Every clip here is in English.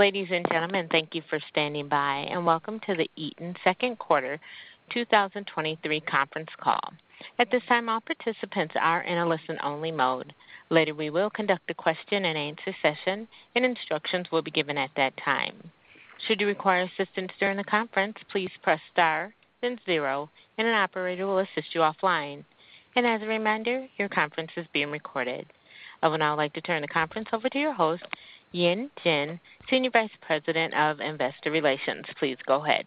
Ladies and gentlemen, thank you for standing by, and welcome to the Eaton Second Quarter 2023 Conference Call. At this time, all participants are in a listen-only mode. Later, we will conduct a question-and-answer session, and instructions will be given at that time. Should you require assistance during the conference, please press Star, then zero, and an operator will assist you offline. As a reminder, your conference is being recorded. I would now like to turn the conference over to your host, Yan Jin, Senior Vice President of Investor Relations. Please go ahead.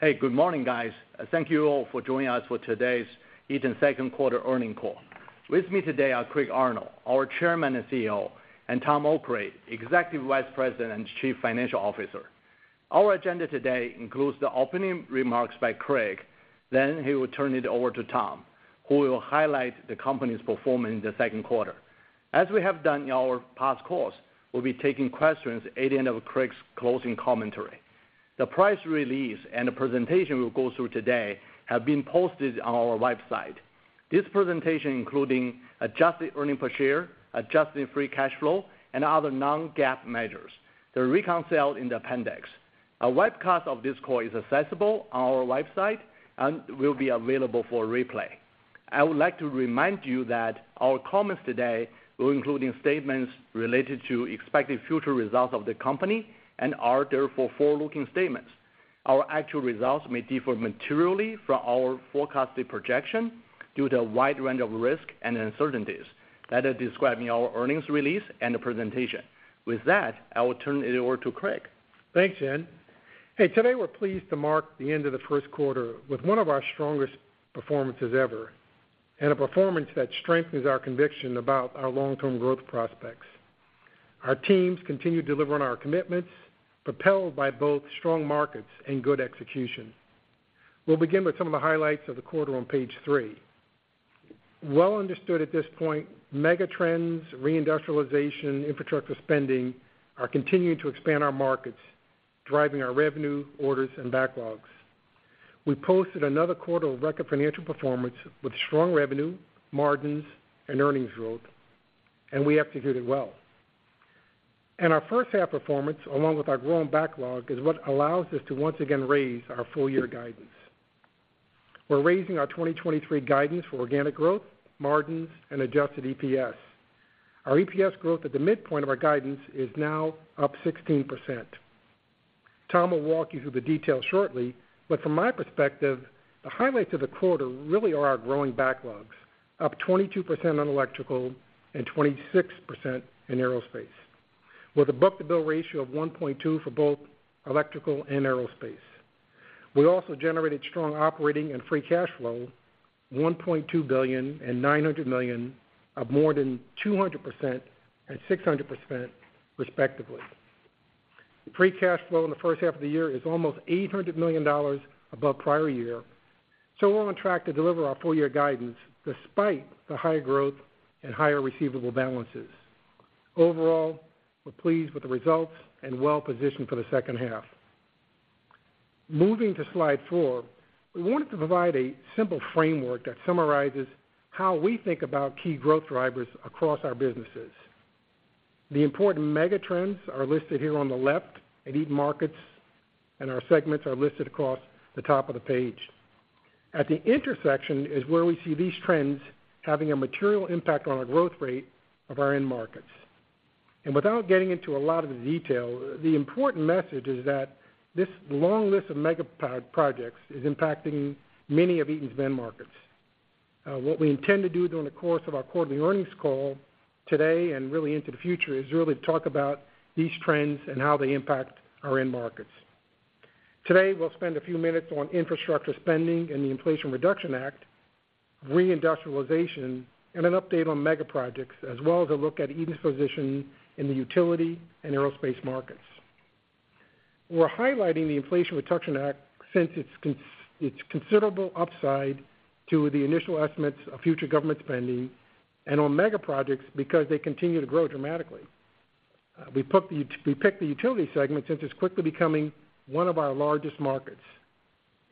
Hey, good morning, guys. Thank you all for joining us for today's Eaton Second Quarter Earnings Call. With me today are Craig Arnold, our Chairman and CEO, and Tom Okray, Executive Vice President and Chief Financial Officer. Our agenda today includes the opening remarks by Craig, then he will turn it over to Tom, who will highlight the company's performance in the second quarter. As we have done in our past calls, we'll be taking questions at the end of Craig's closing commentary. The press release and the presentation we'll go through today have been posted on our website. This presentation, including adjusted earning per share, adjusted free cash flow, and other non-GAAP measures. They're reconciled in the appendix. A webcast of this call is accessible on our website and will be available for replay. I would like to remind you that our comments today will include statements related to expected future results of the company and are therefore forward-looking statements. Our actual results may differ materially from our forecasted projection due to a wide range of risks and uncertainties that are described in our earnings release and the presentation. With that, I will turn it over to Craig. Thanks, Yan. Hey, today, we're pleased to mark the end of the first quarter with one of our strongest performances ever, and a performance that strengthens our conviction about our long-term growth prospects. Our teams continue delivering on our commitments, propelled by both strong markets and good execution. We'll begin with some of the highlights of the quarter on page three. Well understood at this point, megatrends, reindustrialization, infrastructure spending, are continuing to expand our markets, driving our revenue, orders, and backlogs. We posted another quarter of record financial performance with strong revenue, margins, and earnings growth, and we executed well. Our first half performance, along with our growing backlog, is what allows us to once again raise our full-year guidance. We're raising our 2023 guidance for organic growth, margins, and adjusted EPS. Our EPS growth at the midpoint of our guidance is now up 16%. Tom will walk you through the details shortly. From my perspective, the highlights of the quarter really are our growing backlogs, up 22% on Electrical and 26% in Aerospace, with a book-to-bill ratio of 1.2 for both Electrical and Aerospace. We also generated strong operating and free cash flow, $1.2 billion and $900 million, up more than 200% and 600% respectively. Free cash flow in the first half of the year is almost $800 million above prior year. We're on track to deliver our full-year guidance despite the higher growth and higher receivable balances. Overall, we're pleased with the results and well-positioned for the second half. Moving to slide four, we wanted to provide a simple framework that summarizes how we think about key growth drivers across our businesses. The important megatrends are listed here on the left, and each markets and our segments are listed across the top of the page. At the intersection is where we see these trends having a material impact on our growth rate of our end markets. Without getting into a lot of the detail, the important message is that this long list of mega projects is impacting many of Eaton's end markets. What we intend to do during the course of our quarterly earnings call today and really into the future, is really to talk about these trends and how they impact our end markets. Today, we'll spend a few minutes on infrastructure spending and the Inflation Reduction Act, reindustrialization, and an update on mega projects, as well as a look at Eaton's position in the utility and Aerospace markets. We're highlighting the Inflation Reduction Act since its considerable upside to the initial estimates of future government spending, and on mega projects because they continue to grow dramatically. We picked the utility segment since it's quickly becoming one of our largest markets.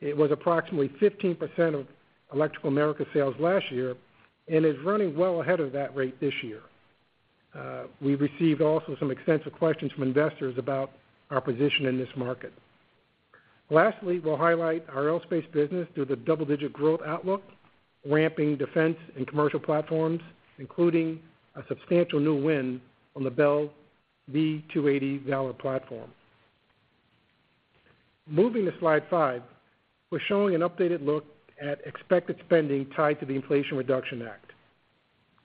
It was approximately 15% of Electrical Americas sales last year and is running well ahead of that rate this year. We received also some extensive questions from investors about our position in this market. Lastly, we'll highlight our Aerospace business through the double-digit growth outlook, ramping defense and commercial platforms, including a substantial new win on the Bell V-280 Valor platform. Moving to slide 5, we're showing an updated look at expected spending tied to the Inflation Reduction Act.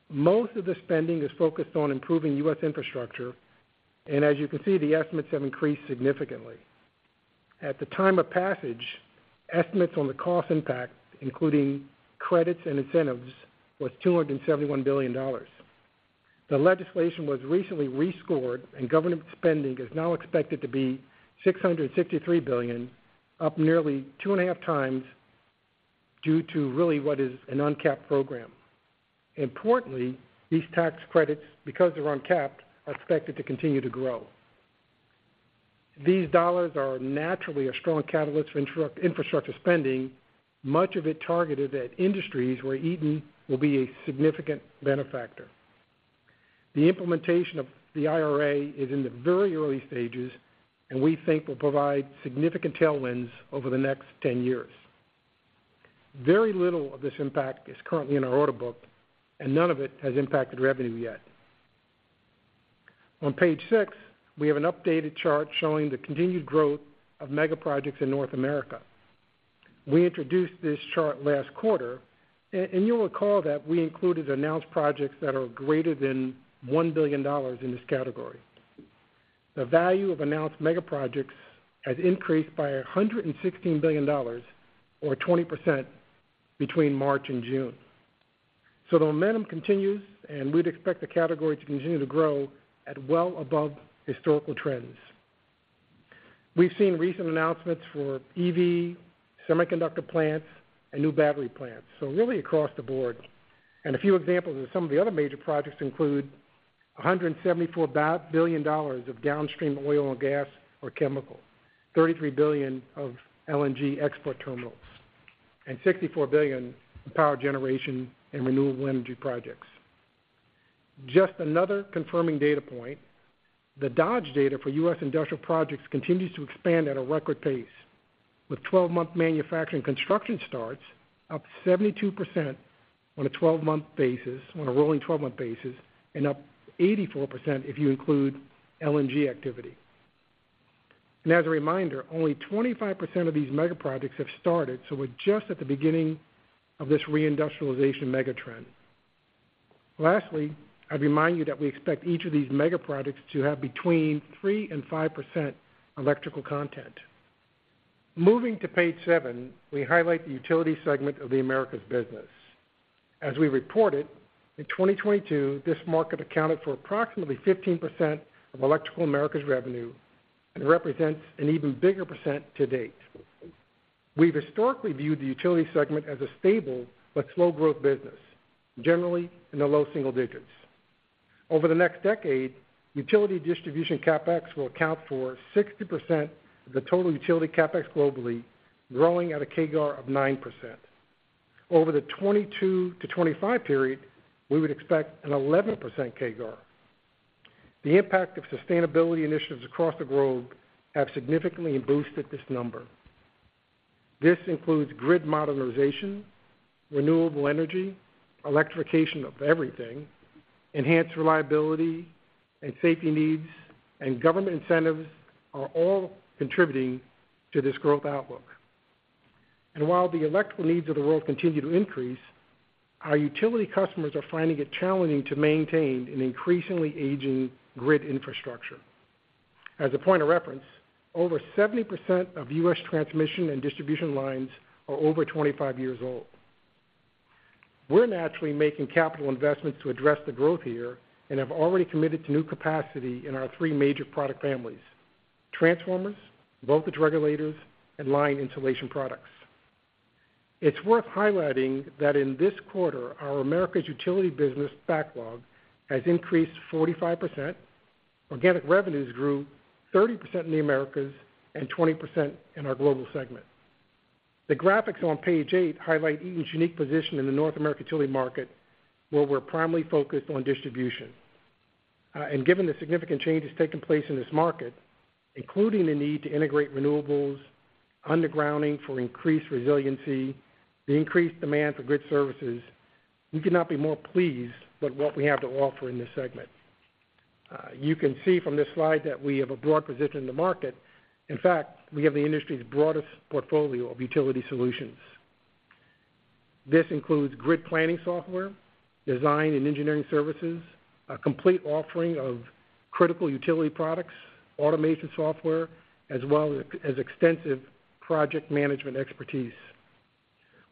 Most of the spending is focused on improving US infrastructure. As you can see, the estimates have increased significantly. At the time of passage, estimates on the cost impact, including credits and incentives, was $271 billion. The legislation was recently rescored, government spending is now expected to be $663 billion, up nearly 2.5 times, due to really what is an uncapped program. Importantly, these tax credits, because they're uncapped, are expected to continue to grow. These dollars are naturally a strong catalyst for infrastructure spending, much of it targeted at industries where Eaton will be a significant benefactor. The implementation of the IRA is in the very early stages, we think will provide significant tailwinds over the next 10 years. Very little of this impact is currently in our order book, none of it has impacted revenue yet. On page 6, we have an updated chart showing the continued growth of mega projects in North America. We introduced this chart last quarter, you'll recall that we included announced projects that are greater than $1 billion in this category. The value of announced mega projects has increased by $116 billion, or 20%, between March and June. The momentum continues, and we'd expect the category to continue to grow at well above historical trends. We've seen recent announcements for EV, semiconductor plants, and new battery plants, so really across the board. A few examples of some of the other major projects include $174 billion of downstream oil and gas or chemical, $33 billion of LNG export terminals, and $64 billion in power generation and renewable energy projects. Just another confirming data point, the Dodge data for U.S. industrial projects continues to expand at a record pace, with 12-month manufacturing construction starts up 72% on a 12-month basis, on a rolling 12-month basis, up 84% if you include LNG activity. As a reminder, only 25% of these mega projects have started, so we're just at the beginning of this reindustrialization mega trend. Lastly, I'd remind you that we expect each of these mega projects to have between 3% and 5% electrical content. Moving to page 7, we highlight the utility segment of the Americas business. As we reported, in 2022, this market accounted for approximately 15% of Electrical Americas revenue and represents an even bigger percent to date. We've historically viewed the utility segment as a stable but slow growth business, generally in the low single digits. Over the next decade, utility distribution CapEx will account for 60% of the total utility CapEx globally, growing at a CAGR of 9%. Over the 2022-2025 period, we would expect an 11% CAGR. The impact of sustainability initiatives across the globe have significantly boosted this number. This includes grid modernization, renewable energy, electrification of everything, enhanced reliability and safety needs, and government incentives are all contributing to this growth outlook. While the electrical needs of the world continue to increase, our utility customers are finding it challenging to maintain an increasingly aging grid infrastructure. As a point of reference, over 70% of U.S. transmission and distribution lines are over 25 years old. We're naturally making capital investments to address the growth here and have already committed to new capacity in our three major product families: transformers, voltage regulators, and line insulation products. It's worth highlighting that in this quarter, our Americas utility business backlog has increased 45%. Organic revenues grew 30% in the Americas and 20% in our global segment. The graphics on page 8 highlight Eaton's unique position in the North American utility market, where we're primarily focused on distribution. Given the significant changes taking place in this market, including the need to integrate renewables, undergrounding for increased resiliency, the increased demand for grid services, we could not be more pleased with what we have to offer in this segment. You can see from this slide that we have a broad position in the market. In fact, we have the industry's broadest portfolio of utility solutions. This includes grid planning software, design and engineering services, a complete offering of critical utility products, automation software, as well as extensive project management expertise.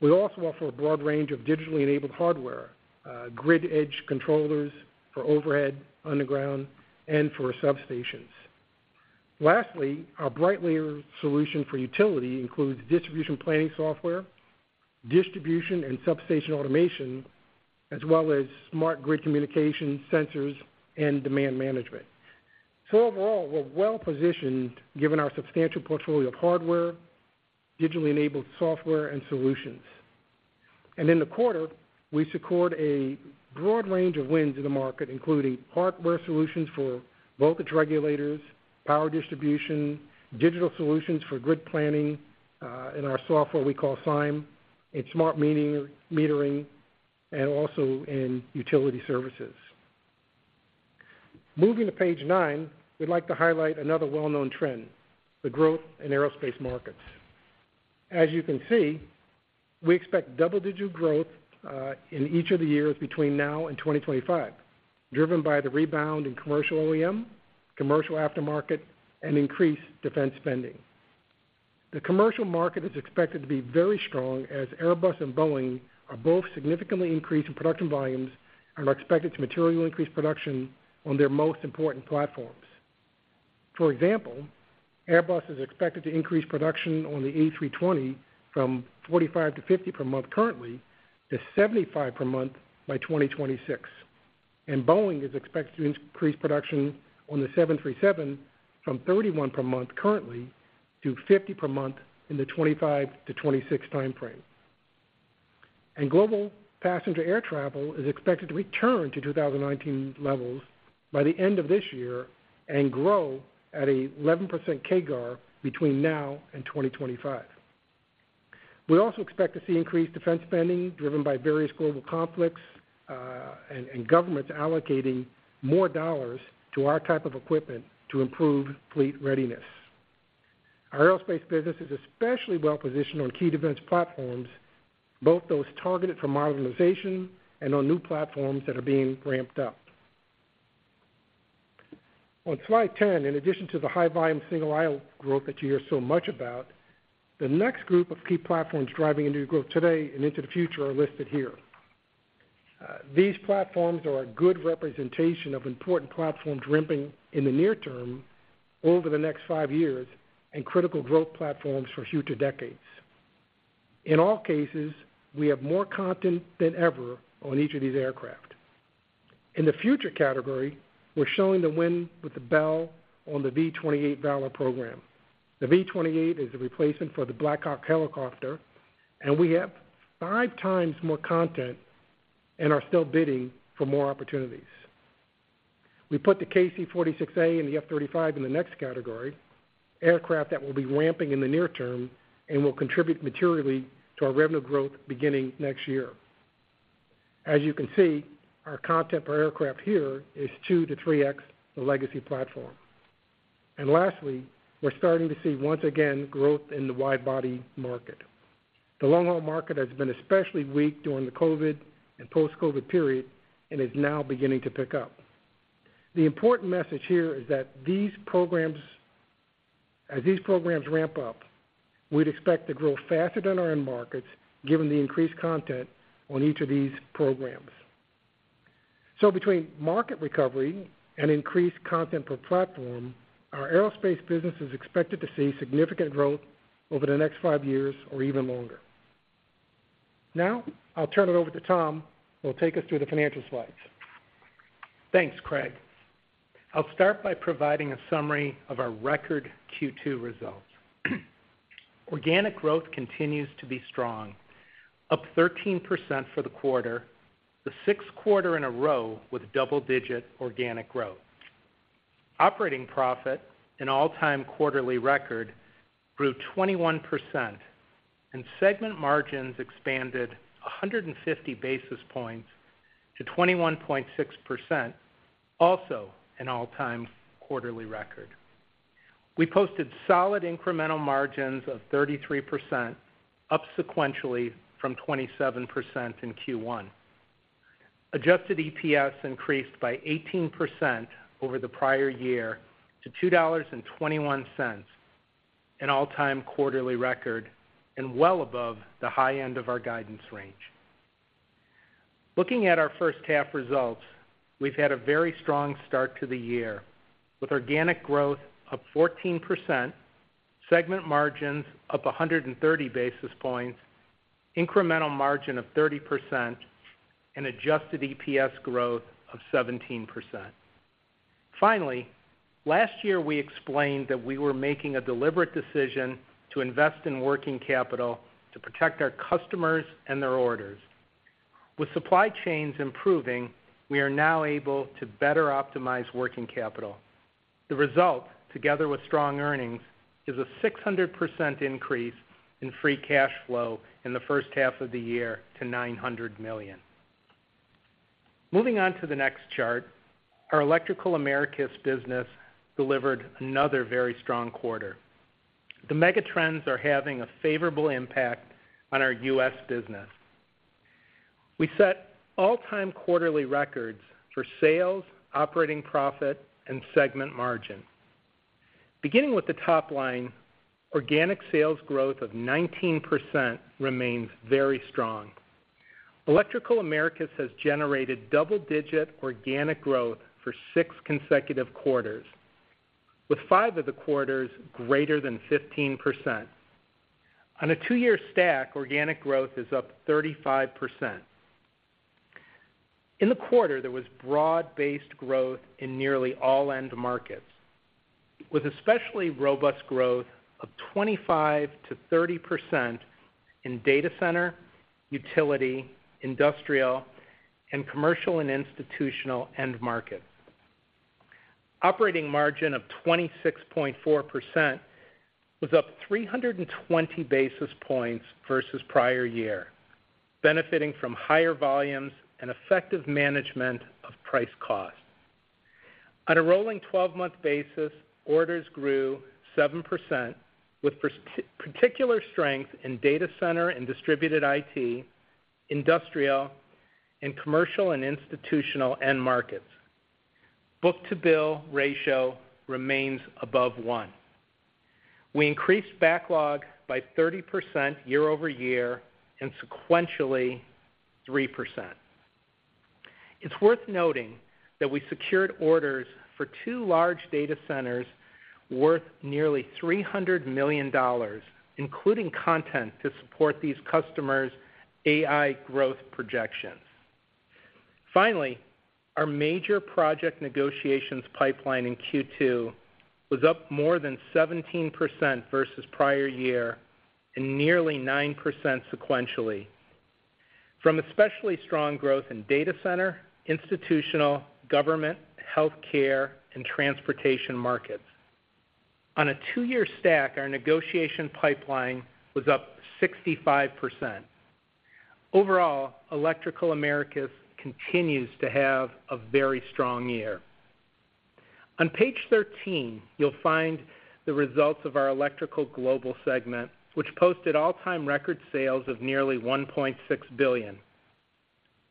We also offer a broad range of digitally enabled hardware, grid edge controllers for overhead, underground, and for substations. Lastly, our Brightlayer solution for utility includes distribution planning software, distribution and substation automation, as well as smart grid communication, sensors, and demand management. Overall, we're well positioned given our substantial portfolio of hardware, digitally enabled software, and solutions. In the quarter, we secured a broad range of wins in the market, including hardware solutions for voltage regulators, power distribution, digital solutions for grid planning, in our software we call SIM, in smart metering, and also in utility services. Moving to page 9, we'd like to highlight another well-known trend, the growth in Aerospace markets. As you can see, we expect double-digit growth in each of the years between now and 2025, driven by the rebound in commercial OEM, commercial aftermarket, and increased defense spending. The commercial market is expected to be very strong, as Airbus and Boeing are both significantly increasing production volumes and are expected to materially increase production on their most important platforms. For example, Airbus is expected to increase production on the A320 from 45 to 50 per month currently, to 75 per month by 2026. Boeing is expected to increase production on the 737 from 31 per month currently, to 50 per month in the 2025 to 2026 time frame. Global passenger air travel is expected to return to 2019 levels by the end of this year and grow at a 11% CAGR between now and 2025. We also expect to see increased defense spending, driven by various global conflicts, and, and governments allocating more dollars to our type of equipment to improve fleet readiness. Our Aerospace business is especially well positioned on key defense platforms, both those targeted for modernization and on new platforms that are being ramped up. On slide 10, in addition to the high volume single aisle growth that you hear so much about, the next group of key platforms driving into growth today and into the future are listed here. These platforms are a good representation of important platforms ramping in the near term over the next five years, and critical growth platforms for future decades. In all cases, we have more content than ever on each of these aircraft. In the future category, we're showing the win with the Bell on the Bell V-280 Valor program. The V-280 is a replacement for the Blackhawk helicopter, and we have 5x more content and are still bidding for more opportunities. We put the KC-46A and the F-35 in the next category, aircraft that will be ramping in the near term and will contribute materially to our revenue growth beginning next year. As you can see, our content per aircraft here is 2-3x the legacy platform. Lastly, we're starting to see once again, growth in the wide-body market. The long-haul market has been especially weak during the COVID and post-COVID period, and is now beginning to pick up. The important message here is that as these programs ramp up, we'd expect to grow faster than our end markets, given the increased content on each of these programs. Between market recovery and increased content per platform, our Aerospace business is expected to see significant growth over the next five years or even longer. Now, I'll turn it over to Tom, who will take us through the financial slides. Thanks, Craig. I'll start by providing a summary of our record Q2 results. Organic growth continues to be strong, up 13% for the quarter, the 6th quarter in a row with double-digit organic growth. Operating profit, an all-time quarterly record, grew 21%, and segment margins expanded 150 basis points to 21.6%, also an all-time quarterly record. We posted solid incremental margins of 33%, up sequentially from 27% in Q1. Adjusted EPS increased by 18% over the prior year to $2.21, an all-time quarterly record and well above the high end of our guidance range. Looking at our first half results, we've had a very strong start to the year, with organic growth up 14%, segment margins up 130 basis points, incremental margin of 30%, and adjusted EPS growth of 17%. Finally, last year, we explained that we were making a deliberate decision to invest in working capital to protect our customers and their orders. With supply chains improving, we are now able to better optimize working capital. The result, together with strong earnings, is a 600% increase in free cash flow in the first half of the year to $900 million. Moving on to the next chart. Our Electrical Americas business delivered another very strong quarter. The megatrends are having a favorable impact on our U.S. business. We set all-time quarterly records for sales, operating profit, and segment margin. Beginning with the top line, organic sales growth of 19% remains very strong. Electrical Americas has generated double-digit organic growth for six consecutive quarters, with five of the quarters greater than 15%. On a two-year stack, organic growth is up 35%. In the quarter, there was broad-based growth in nearly all end markets, with especially robust growth of 25%-30% in data center, utility, industrial, and commercial and institutional end markets. Operating margin of 26.4% was up 320 basis points versus prior year, benefiting from higher volumes and effective management of price cost. On a rolling 12-month basis, orders grew 7%, with particular strength in data center and distributed IT, industrial, and commercial, and institutional end markets. Book-to-bill ratio remains above 1. We increased backlog by 30% year-over-year, and sequentially, 3%. It's worth noting that we secured orders for two large data centers- worth nearly $300 million, including content to support these customers' AI growth projections. Finally, our major project negotiations pipeline in Q2 was up more than 17% versus prior year, and nearly 9% sequentially. From especially strong growth in data center, institutional, government, healthcare, and transportation markets. On a two-year stack, our negotiation pipeline was up 65%. Overall, Electrical Americas continues to have a very strong year. On page 13, you'll find the results of our Electrical Global segment, which posted all-time record sales of nearly $1.6 billion.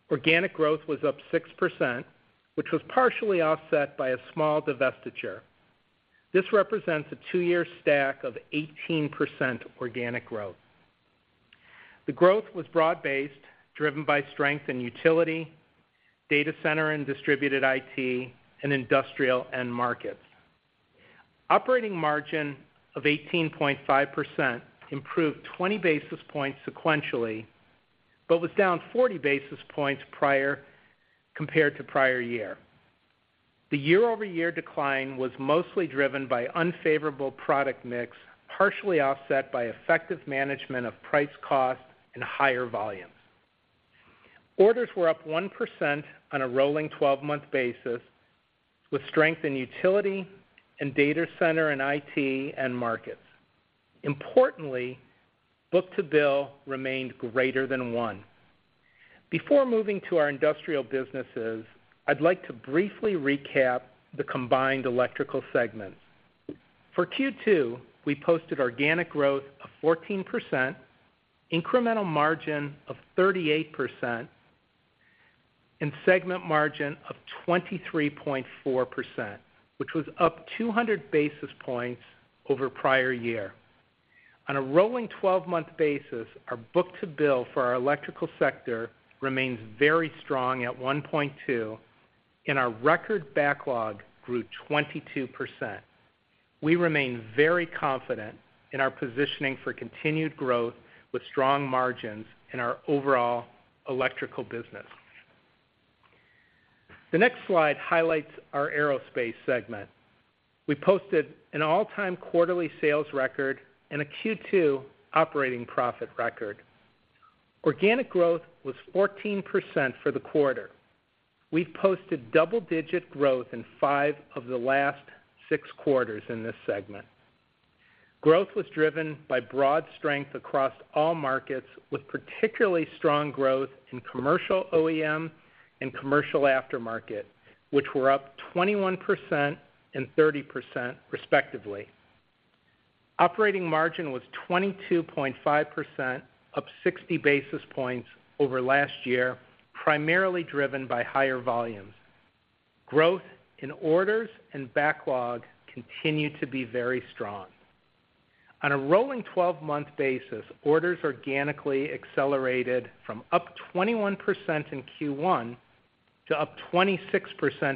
Organic growth was up 6%, which was partially offset by a small divestiture. This represents a two-year stack of 18% organic growth. The growth was broad-based, driven by strength in utility, data center and distributed IT, and industrial end markets. Operating margin of 18.5% improved 20 basis points sequentially, was down 40 basis points compared to prior year. The year-over-year decline was mostly driven by unfavorable product mix, partially offset by effective management of price cost and higher volumes. Orders were up 1% on a rolling 12-month basis, with strength in utility and data center and IT end markets. Importantly, book-to-bill remained greater than 1. Before moving to our industrial businesses, I'd like to briefly recap the combined electrical segments. For Q2, we posted organic growth of 14%, incremental margin of 38%, and segment margin of 23.4%, which was up 200 basis points over prior year. On a rolling 12-month basis, our book-to-bill for our electrical sector remains very strong at 1.2, and our record backlog grew 22%. We remain very confident in our positioning for continued growth with strong margins in our overall electrical business. The next slide highlights our Aerospace segment. We posted an all-time quarterly sales record and a Q2 operating profit record. Organic growth was 14% for the quarter. We've posted double-digit growth in five of the last six quarters in this segment. Growth was driven by broad strength across all markets, with particularly strong growth in commercial OEM and commercial aftermarket, which were up 21% and 30% respectively. Operating margin was 22.5%, up 60 basis points over last year, primarily driven by higher volumes. Growth in orders and backlog continued to be very strong. On a rolling 12-month basis, orders organically accelerated from up 21% in Q1 to up 26%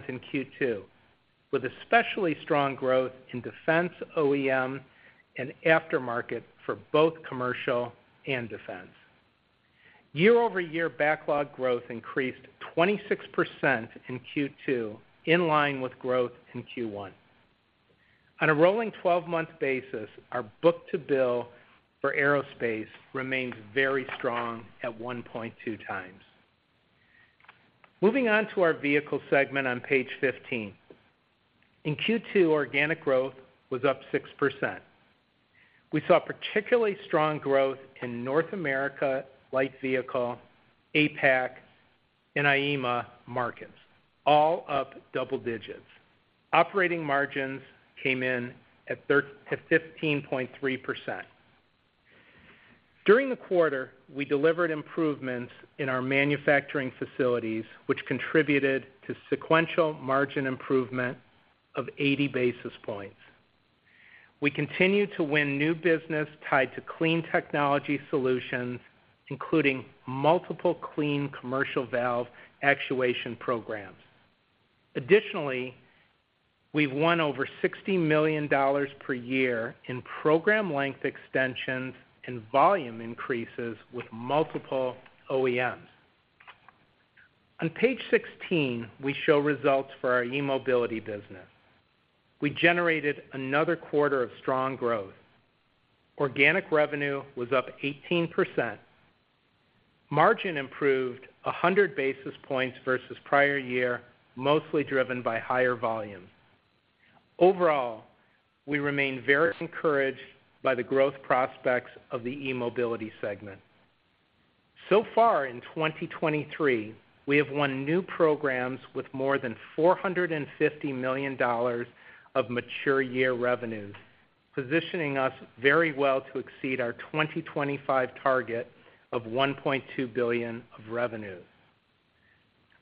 in Q2, with especially strong growth in defense, OEM, and aftermarket for both commercial and defense. Year-over-year backlog growth increased 26% in Q2, in line with growth in Q1. On a rolling 12-month basis, our book-to-bill for Aerospace remains very strong at 1.2x. Moving on to our Vehicle segment on page 15. In Q2, organic growth was up 6%. We saw particularly strong growth in North America, light vehicle, APAC, and EMEA markets, all up double digits. Operating margins came in at 15.3%. During the quarter, we delivered improvements in our manufacturing facilities, which contributed to sequential margin improvement of 80 basis points. We continue to win new business tied to clean technology solutions, including multiple clean commercial valve actuation programs. Additionally, we've won over $60 million per year in program length extensions and volume increases with multiple OEMs. On page 16, we show results for our eMobility business. We generated another quarter of strong growth. Organic revenue was up 18%. Margin improved 100 basis points versus prior year, mostly driven by higher volumes. Overall, we remain very encouraged by the growth prospects of the eMobility segment. Far in 2023, we have won new programs with more than $450 million of mature year revenues, positioning us very well to exceed our 2025 target of $1.2 billion of revenues.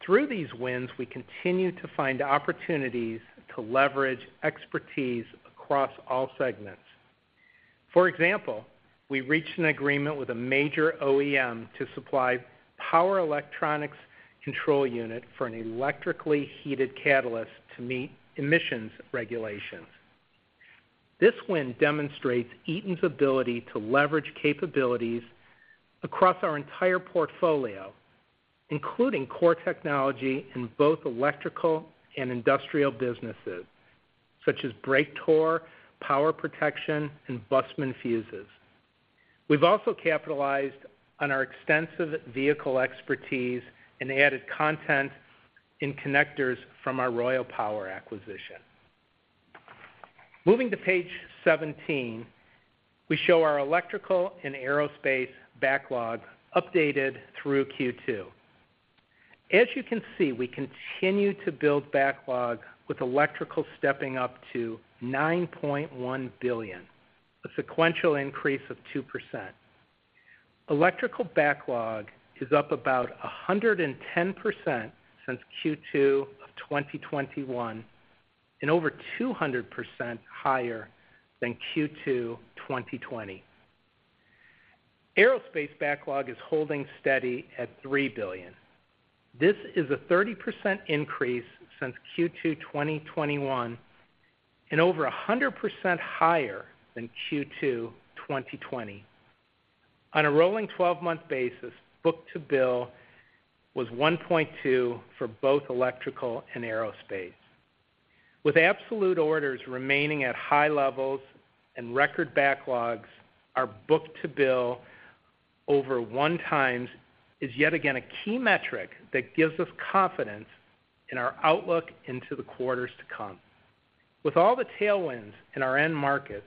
Through these wins, we continue to find opportunities to leverage expertise across all segments. For example, we reached an agreement with a major OEM to supply power electronics control unit for an electrically heated catalyst to meet emissions regulations. This win demonstrates Eaton's ability to leverage capabilities across our entire portfolio, including core technology in both Electrical and industrial businesses, such as brake torque, power protection, and Bussmann fuses. We've also capitalized on our extensive Vehicle expertise and added content in connectors from our Royal Power acquisition. Moving to page 17, we show our Electrical and Aerospace backlog updated through Q2. As you can see, we continue to build backlog, with Electrical stepping up to $9.1 billion, a sequential increase of 2%. Electrical backlog is up about 110% since Q2 of 2021, and over 200% higher than Q2 2020. Aerospace backlog is holding steady at $3 billion. This is a 30% increase since Q2 2021, and over 100% higher than Q2 2020. On a rolling 12-month basis, book-to-bill was 1.2 for both Electrical and Aerospace. With absolute orders remaining at high levels and record backlogs, our book-to-bill over 1 times is yet again, a key metric that gives us confidence in our outlook into the quarters to come. With all the tailwinds in our end markets,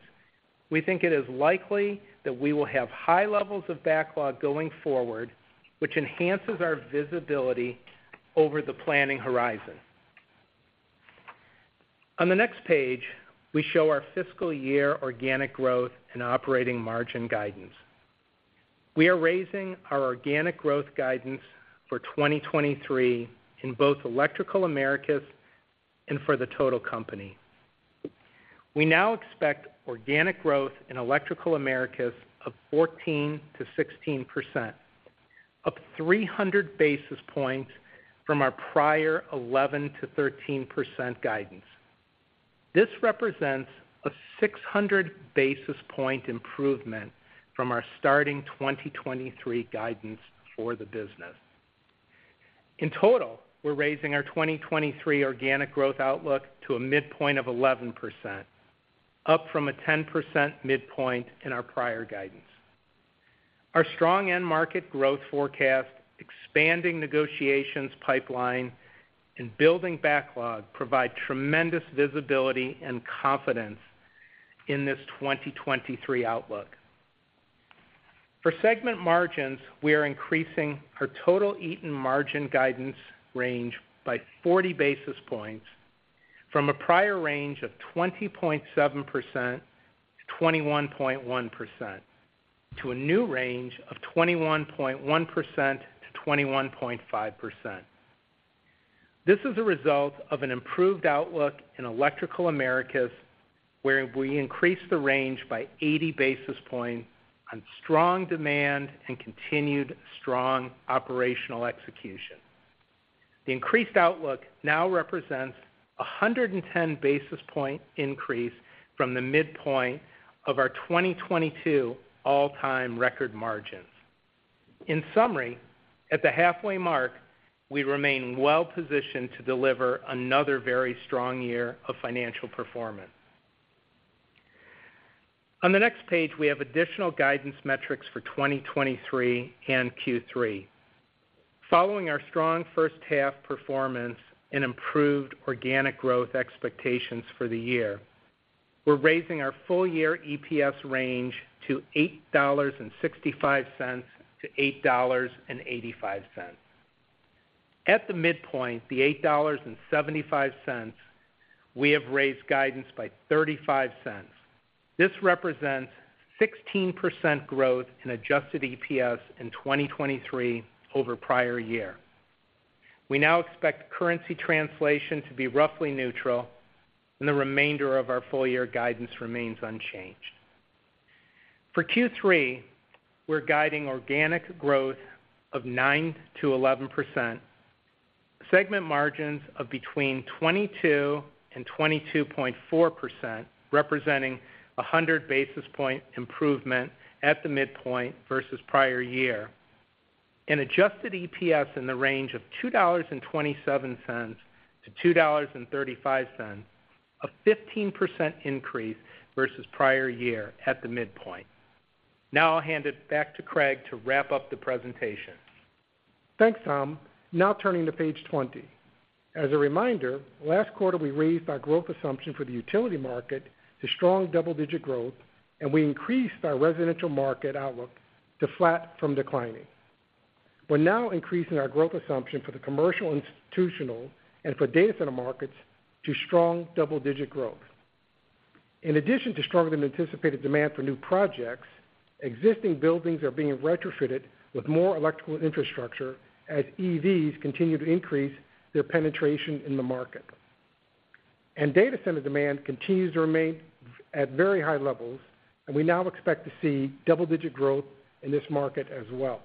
we think it is likely that we will have high levels of backlog going forward, which enhances our visibility over the planning horizon. On the next page, we show our fiscal year organic growth and operating margin guidance. We are raising our organic growth guidance for 2023 in both Electrical Americas and for the total company. We now expect organic growth in Electrical Americas of 14%-16%, up 300 basis points from our prior 11%-13% guidance. This represents a 600 basis point improvement from our starting 2023 guidance for the business. In total, we're raising our 2023 organic growth outlook to a midpoint of 11%, up from a 10% midpoint in our prior guidance. Our strong end market growth forecast, expanding negotiations pipeline, and building backlog provide tremendous visibility and confidence in this 2023 outlook. For segment margins, we are increasing our total Eaton margin guidance range by 40 basis points, from a prior range of 20.7%-21.1%, to a new range of 21.1%-21.5%. This is a result of an improved outlook in Electrical Americas, where we increased the range by 80 basis points on strong demand and continued strong operational execution. The increased outlook now represents a 110 basis point increase from the midpoint of our 2022 all-time record margins. In summary, at the halfway mark, we remain well-positioned to deliver another very strong year of financial performance. On the next page, we have additional guidance metrics for 2023 and Q3. Following our strong first half performance and improved organic growth expectations for the year, we're raising our full-year EPS range to $8.65-$8.85. At the midpoint, the $8.75, we have raised guidance by $0.35. This represents 16% growth in adjusted EPS in 2023 over prior year. We now expect currency translation to be roughly neutral. The remainder of our full-year guidance remains unchanged. For Q3, we're guiding organic growth of 9%-11%, segment margins of between 22%-22.4%, representing a 100 basis point improvement at the midpoint versus prior year, and adjusted EPS in the range of $2.27-$2.35, a 15% increase versus prior year at the midpoint. I'll hand it back to Craig to wrap up the presentation. Thanks, Tom. Now turning to page 20. As a reminder, last quarter, we raised our growth assumption for the utility market to strong double-digit growth, and we increased our residential market outlook to flat from declining. We're now increasing our growth assumption for the commercial institutional and for data center markets to strong double-digit growth. In addition to stronger than anticipated demand for new projects, existing buildings are being retrofitted with more electrical infrastructure as EVs continue to increase their penetration in the market. Data center demand continues to remain at very high levels, and we now expect to see double-digit growth in this market as well.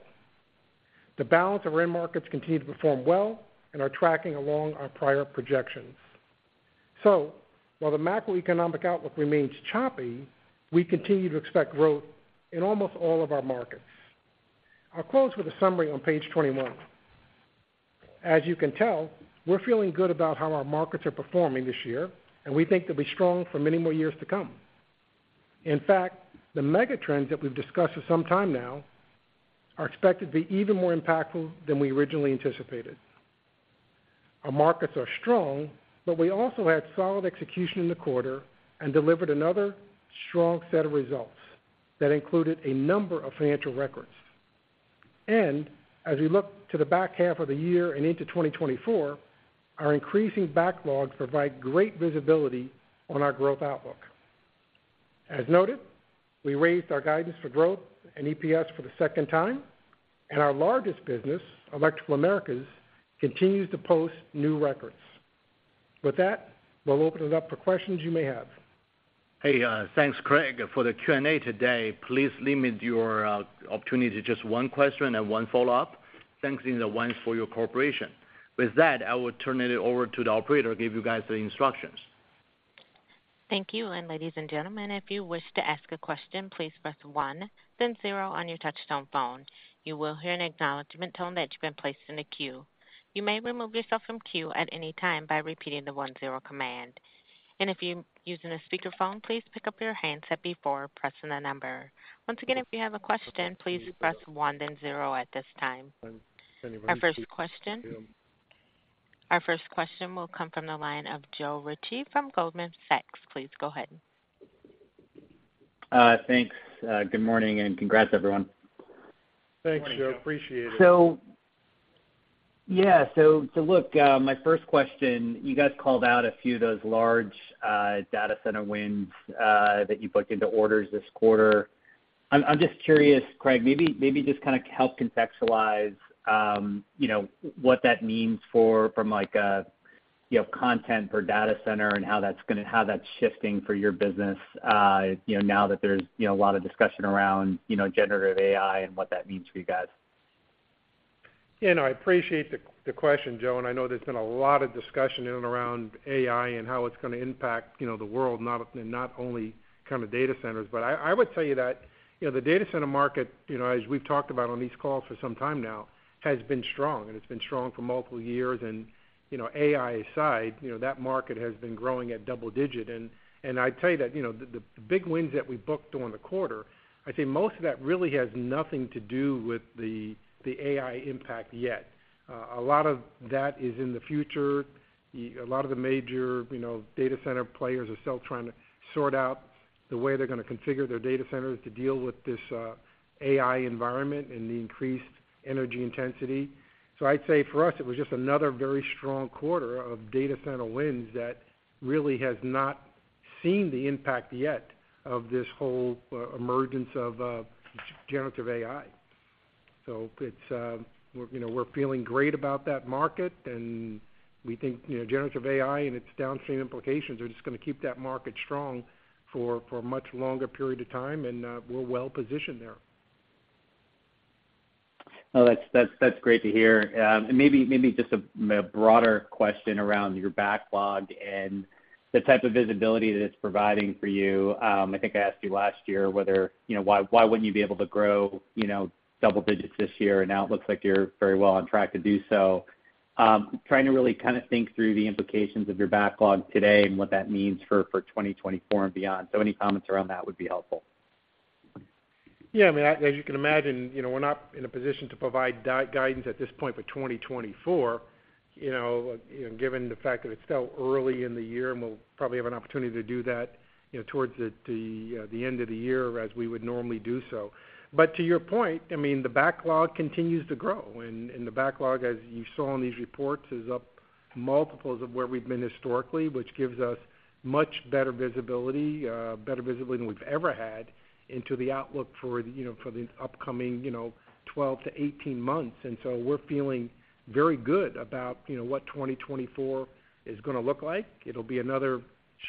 The balance of end markets continue to perform well and are tracking along our prior projections. While the macroeconomic outlook remains choppy, we continue to expect growth in almost all of our markets. I'll close with a summary on page 21. As you can tell, we're feeling good about how our markets are performing this year, and we think they'll be strong for many more years to come. In fact, the mega trends that we've discussed for some time now are expected to be even more impactful than we originally anticipated. Our markets are strong, but we also had solid execution in the quarter and delivered another strong set of results that included a number of financial records. As we look to the back half of the year and into 2024, our increasing backlogs provide great visibility on our growth outlook. As noted, we raised our guidance for growth and EPS for the second time, and our largest business, Electrical Americas, continues to post new records. With that, we'll open it up for questions you may have. Hey, thanks, Craig. For the Q&A today, please limit your opportunity to just one question and one follow-up. Thanks in advance for your cooperation. With that, I will turn it over to the operator to give you guys the instructions. Thank you. Ladies and gentlemen, if you wish to ask a question, please press one, then zero on your touch-tone phone. You will hear an acknowledgment tone that you've been placed in a queue. You may remove yourself from queue at any time by repeating the one-zero command. If you're using a speakerphone, please pick up your handset before pressing the number. Once again, if you have a question, please press one, then zero at this time. Our first question will come from the line of Joe Ritchie from Goldman Sachs. Please go ahead. Thanks. Good morning, and congrats, everyone. Thanks, Joe. Appreciate it. Yeah. Look, my first question, you guys called out a few of those large data center wins that you booked into orders this quarter. I'm just curious, Craig, maybe, maybe just kinda help contextualize, you know, what that means for, from like, a, you know, content for data center and how that's shifting for your business, you know, now that there's, you know, a lot of discussion around, you know, generative AI and what that means for you guys? Yeah, no, I appreciate the, the question, Joe, and I know there's been a lot of discussion in and around AI and how it's gonna impact, you know, the world, not, and not only kind of data centers. I, I would tell you that, you know, the data center market, you know, as we've talked about on these calls for some time now, has been strong, and it's been strong for multiple years. You know, AI aside, you know, that market has been growing at double digit. I'd tell you that, you know, the, the big wins that we booked during the quarter, I'd say most of that really has nothing to do with the, the AI impact yet. A lot of that is in the future. A lot of the major, you know, data center players are still trying to sort out the way they're gonna configure their data centers to deal with this AI environment and the increased energy intensity. I'd say for us, it was just another very strong quarter of data center wins that really has not seen the impact yet of this whole emergence of generative AI. It's, we're, you know, we're feeling great about that market, and we think, you know, generative AI and its downstream implications are just gonna keep that market strong for, for a much longer period of time, and we're well positioned there. Well, that's, that's, that's great to hear. maybe, maybe just a broader question around your backlog and the type of visibility that it's providing for you. I think I asked you last year whether, you know, why, why wouldn't you be able to grow, you know, double digits this year, and now it looks like you're very well on track to do so. trying to really kinda think through the implications of your backlog today and what that means for, for 2024 and beyond. Any comments around that would be helpful. Yeah, I mean, as you can imagine, you know, we're not in a position to provide guidance at this point for 2024, you know, given the fact that it's still early in the year, we'll probably have an opportunity to do that, you know, towards the, the end of the year, as we would normally do so. To your point, I mean, the backlog continues to grow, and the backlog, as you saw in these reports, is up multiples of where we've been historically, which gives us much better visibility, better visibility than we've ever had, into the outlook for, you know, for the upcoming, you know, 12-18 months. So we're feeling very good about, you know, what 2024 is gonna look like. It'll be another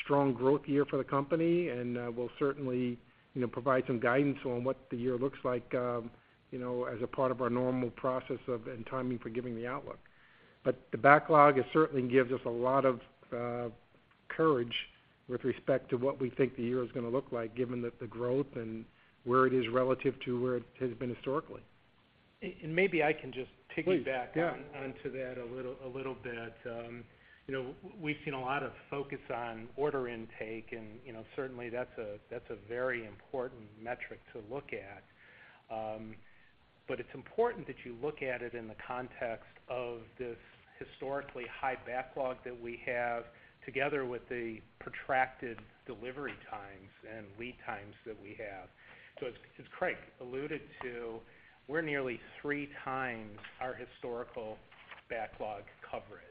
strong growth year for the company, and, we'll certainly, you know, provide some guidance on what the year looks like, you know, as a part of our normal process of and timing for giving the outlook. The backlog, it certainly gives us a lot of courage with respect to what we think the year is gonna look like, given that the growth and where it is relative to where it has been historically. Maybe I can just piggyback. Please, yeah. Onto that a little, a little bit. You know, we've seen a lot of focus on order intake, and, you know, certainly that's a, that's a very important metric to look at. But it's important that you look at it in the context of this historically high backlog that we have, together with the protracted delivery times and lead times that we have. As, as Craig alluded to, we're nearly three times our historical backlog coverage.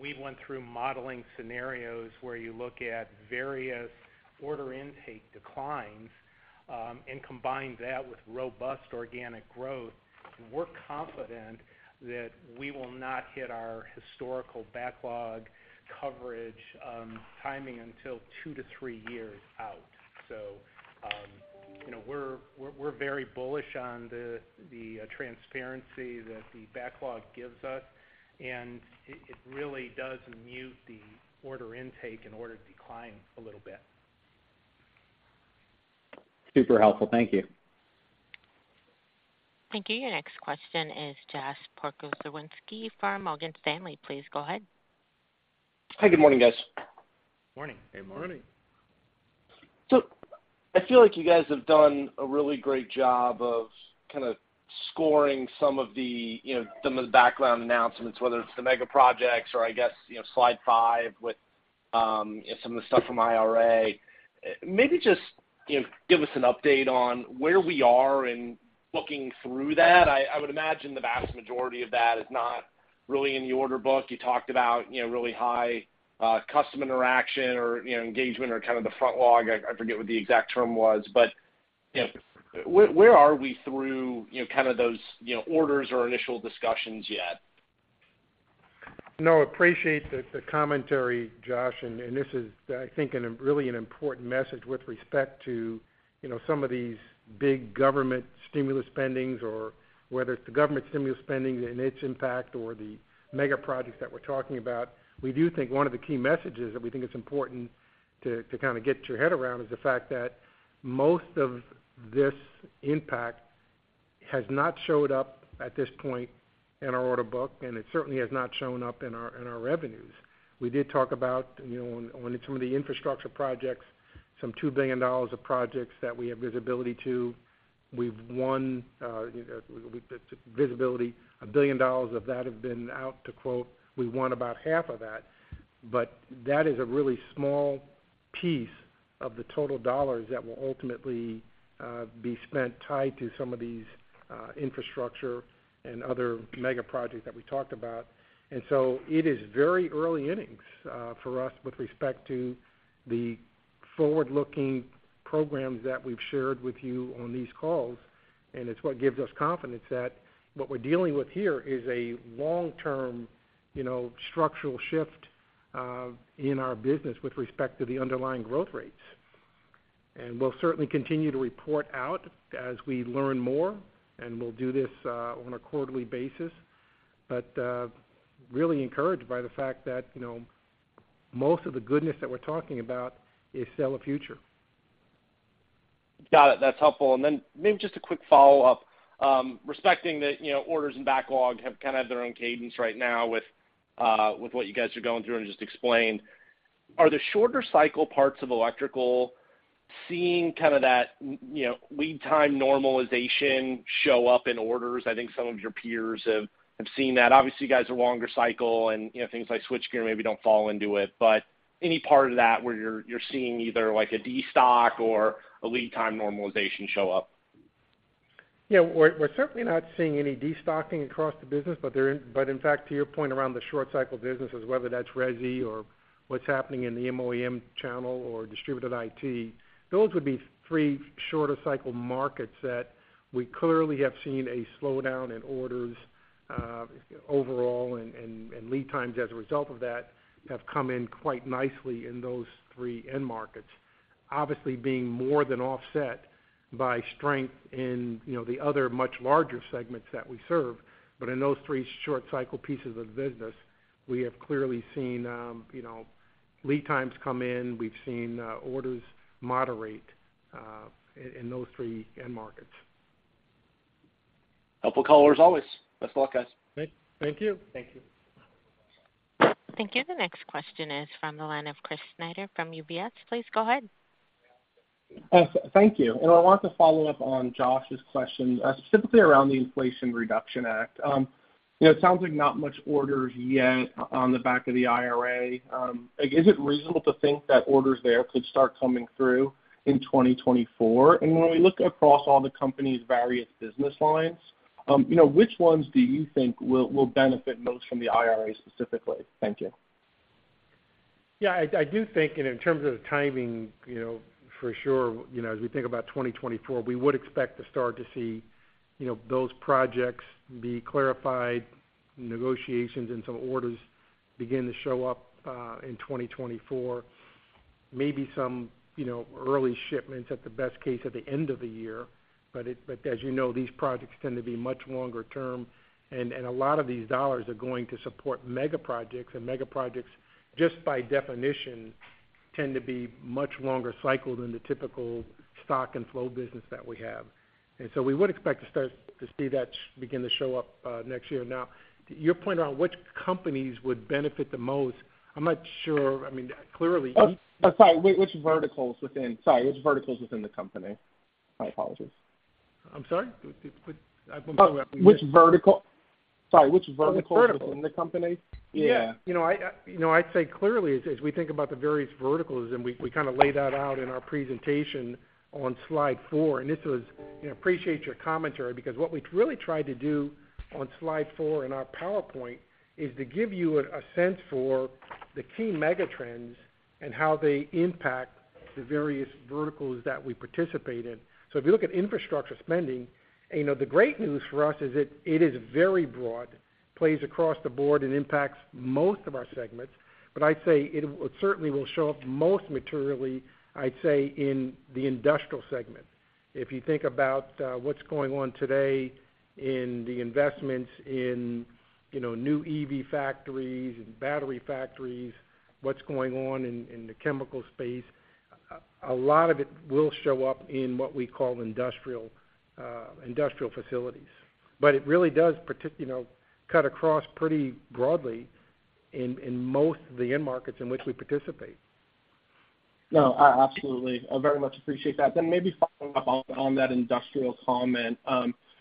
We went through modeling scenarios where you look at various order intake declines, and combine that with robust organic growth. We're confident that we will not hit our historical backlog coverage, timing until two to three years out. You know, we're, we're very bullish on the, the transparency that the backlog gives us, and it, it really does mute the order intake and order decline a little bit. Super helpful. Thank you. Thank you. Your next question is Josh Pokrzywinski for Morgan Stanley. Please go ahead. Hi, good morning, guys. Morning. Hey, morning. Morning. I feel like you guys have done a really great job of kind of scoring some of the, you know, some of the background announcements, whether it's the mega projects or, I guess, you know, slide 5, with, you know, some of the stuff from IRA. Maybe just, you know, give us an update on where we are in looking through that. I, I would imagine the vast majority of that is not really in the order book. You talked about, you know, really high, customer interaction or, you know, engagement or kind of the front log. I, I forget what the exact term was. But, you know, where, where are we through, you know, kind of those, you know, orders or initial discussions yet? No, appreciate the, the commentary, Josh, and, and this is, I think, really an important message with respect to, you know, some of these big government stimulus spendings or whether it's the government stimulus spending and its impact or the mega projects that we're talking about. We do think one of the key messages that we think is important to, to kind of get your head around, is the fact that most of this impact has not showed up at this point in our order book, and it certainly has not shown up in our, in our revenues. We did talk about, you know, on, on some of the infrastructure projects, some $2 billion of projects that we have visibility to. We've won visibility. $1 billion of that have been out to quote, we won about half of that. That is a really small piece of the total dollars that will ultimately be spent tied to some of these, infrastructure and other mega projects that we talked about. It is very early innings for us with respect to the forward-looking programs that we've shared with you on these calls, and it's what gives us confidence that what we're dealing with here is a long-term, you know, structural shift in our business with respect to the underlying growth rates. We'll certainly continue to report out as we learn more, and we'll do this on a quarterly basis. Really encouraged by the fact that, you know, most of the goodness that we're talking about is still the future. Got it. That's helpful. Maybe just a quick follow-up. Respecting that, you know, orders and backlog have kind of their own cadence right now with what you guys are going through and just explained, are the shorter cycle parts of electrical seeing kind of that, you know, lead time normalization show up in orders? I think some of your peers have, have seen that. Obviously, you guys are longer cycle and, you know, things like switchgear maybe don't fall into it, but any part of that where you're, you're seeing either like a destock or a lead time normalization show up? Yeah. We're, we're certainly not seeing any destocking across the business, but in fact, to your point around the short cycle businesses, whether that's resi or what's happening in the MOEM channel or distributed IT, those would be three shorter cycle markets that we clearly have seen a slowdown in orders overall, and, and, and lead times as a result of that, have come in quite nicely in those three end markets. Obviously, being more than offset by strength in, you know, the other much larger segments that we serve, but in those three short cycle pieces of the business, we have clearly seen, you know, lead times come in. We've seen orders moderate in those three end markets. Helpful call as always. Best of luck, guys. Thank you. Thank you. Thank you. The next question is from the line of Chris Snyder from UBS. Please go ahead. Yes, thank you. I want to follow up on Josh's question, specifically around the Inflation Reduction Act. You know, it sounds like not much orders yet on the back of the IRA. Like, is it reasonable to think that orders there could start coming through in 2024? When we look across all the company's various business lines, you know, which ones do you think will, will benefit most from the IRA specifically? Thank you. Yeah, I, I do think, and in terms of the timing, you know, for sure, you know, as we think about 2024, we would expect to start to see, you know, those projects be clarified, negotiations, and some orders begin to show up in 2024. Maybe some, you know, early shipments at the best case at the end of the year. But as you know, these projects tend to be much longer term, and a lot of these dollars are going to support mega projects. Mega projects, just by definition, tend to be much longer cycle than the typical stock and flow business that we have. So we would expect to start to see that begin to show up next year. Your point around which companies would benefit the most, I'm not sure. I mean, clearly- Oh, sorry, which verticals within... Sorry, which verticals within the company? My apologies. I'm sorry? Which- Which vertical? Sorry, which verticals- Oh, verticals. within the company? Yeah. You know, I'd say clearly, as we think about the various verticals, and we kind of laid that out in our presentation on slide 4, and this was. You know, appreciate your commentary, because what we really tried to do on slide 4 in our PowerPoint, is to give you a sense for the key mega trends and how they impact the various verticals that we participate in. If you look at infrastructure spending, you know, the great news for us is that it is very broad, plays across the board, and impacts most of our segments. I'd say it, it certainly will show up most materially, I'd say, in the industrial segment. If you think about, what's going on today in the investments in, you know, new EV factories and battery factories, what's going on in, in the chemical space, a lot of it will show up in what we call industrial, industrial facilities. It really does you know, cut across pretty broadly in, in most of the end markets in which we participate. No, absolutely. I very much appreciate that. Maybe following up on, on that industrial comment,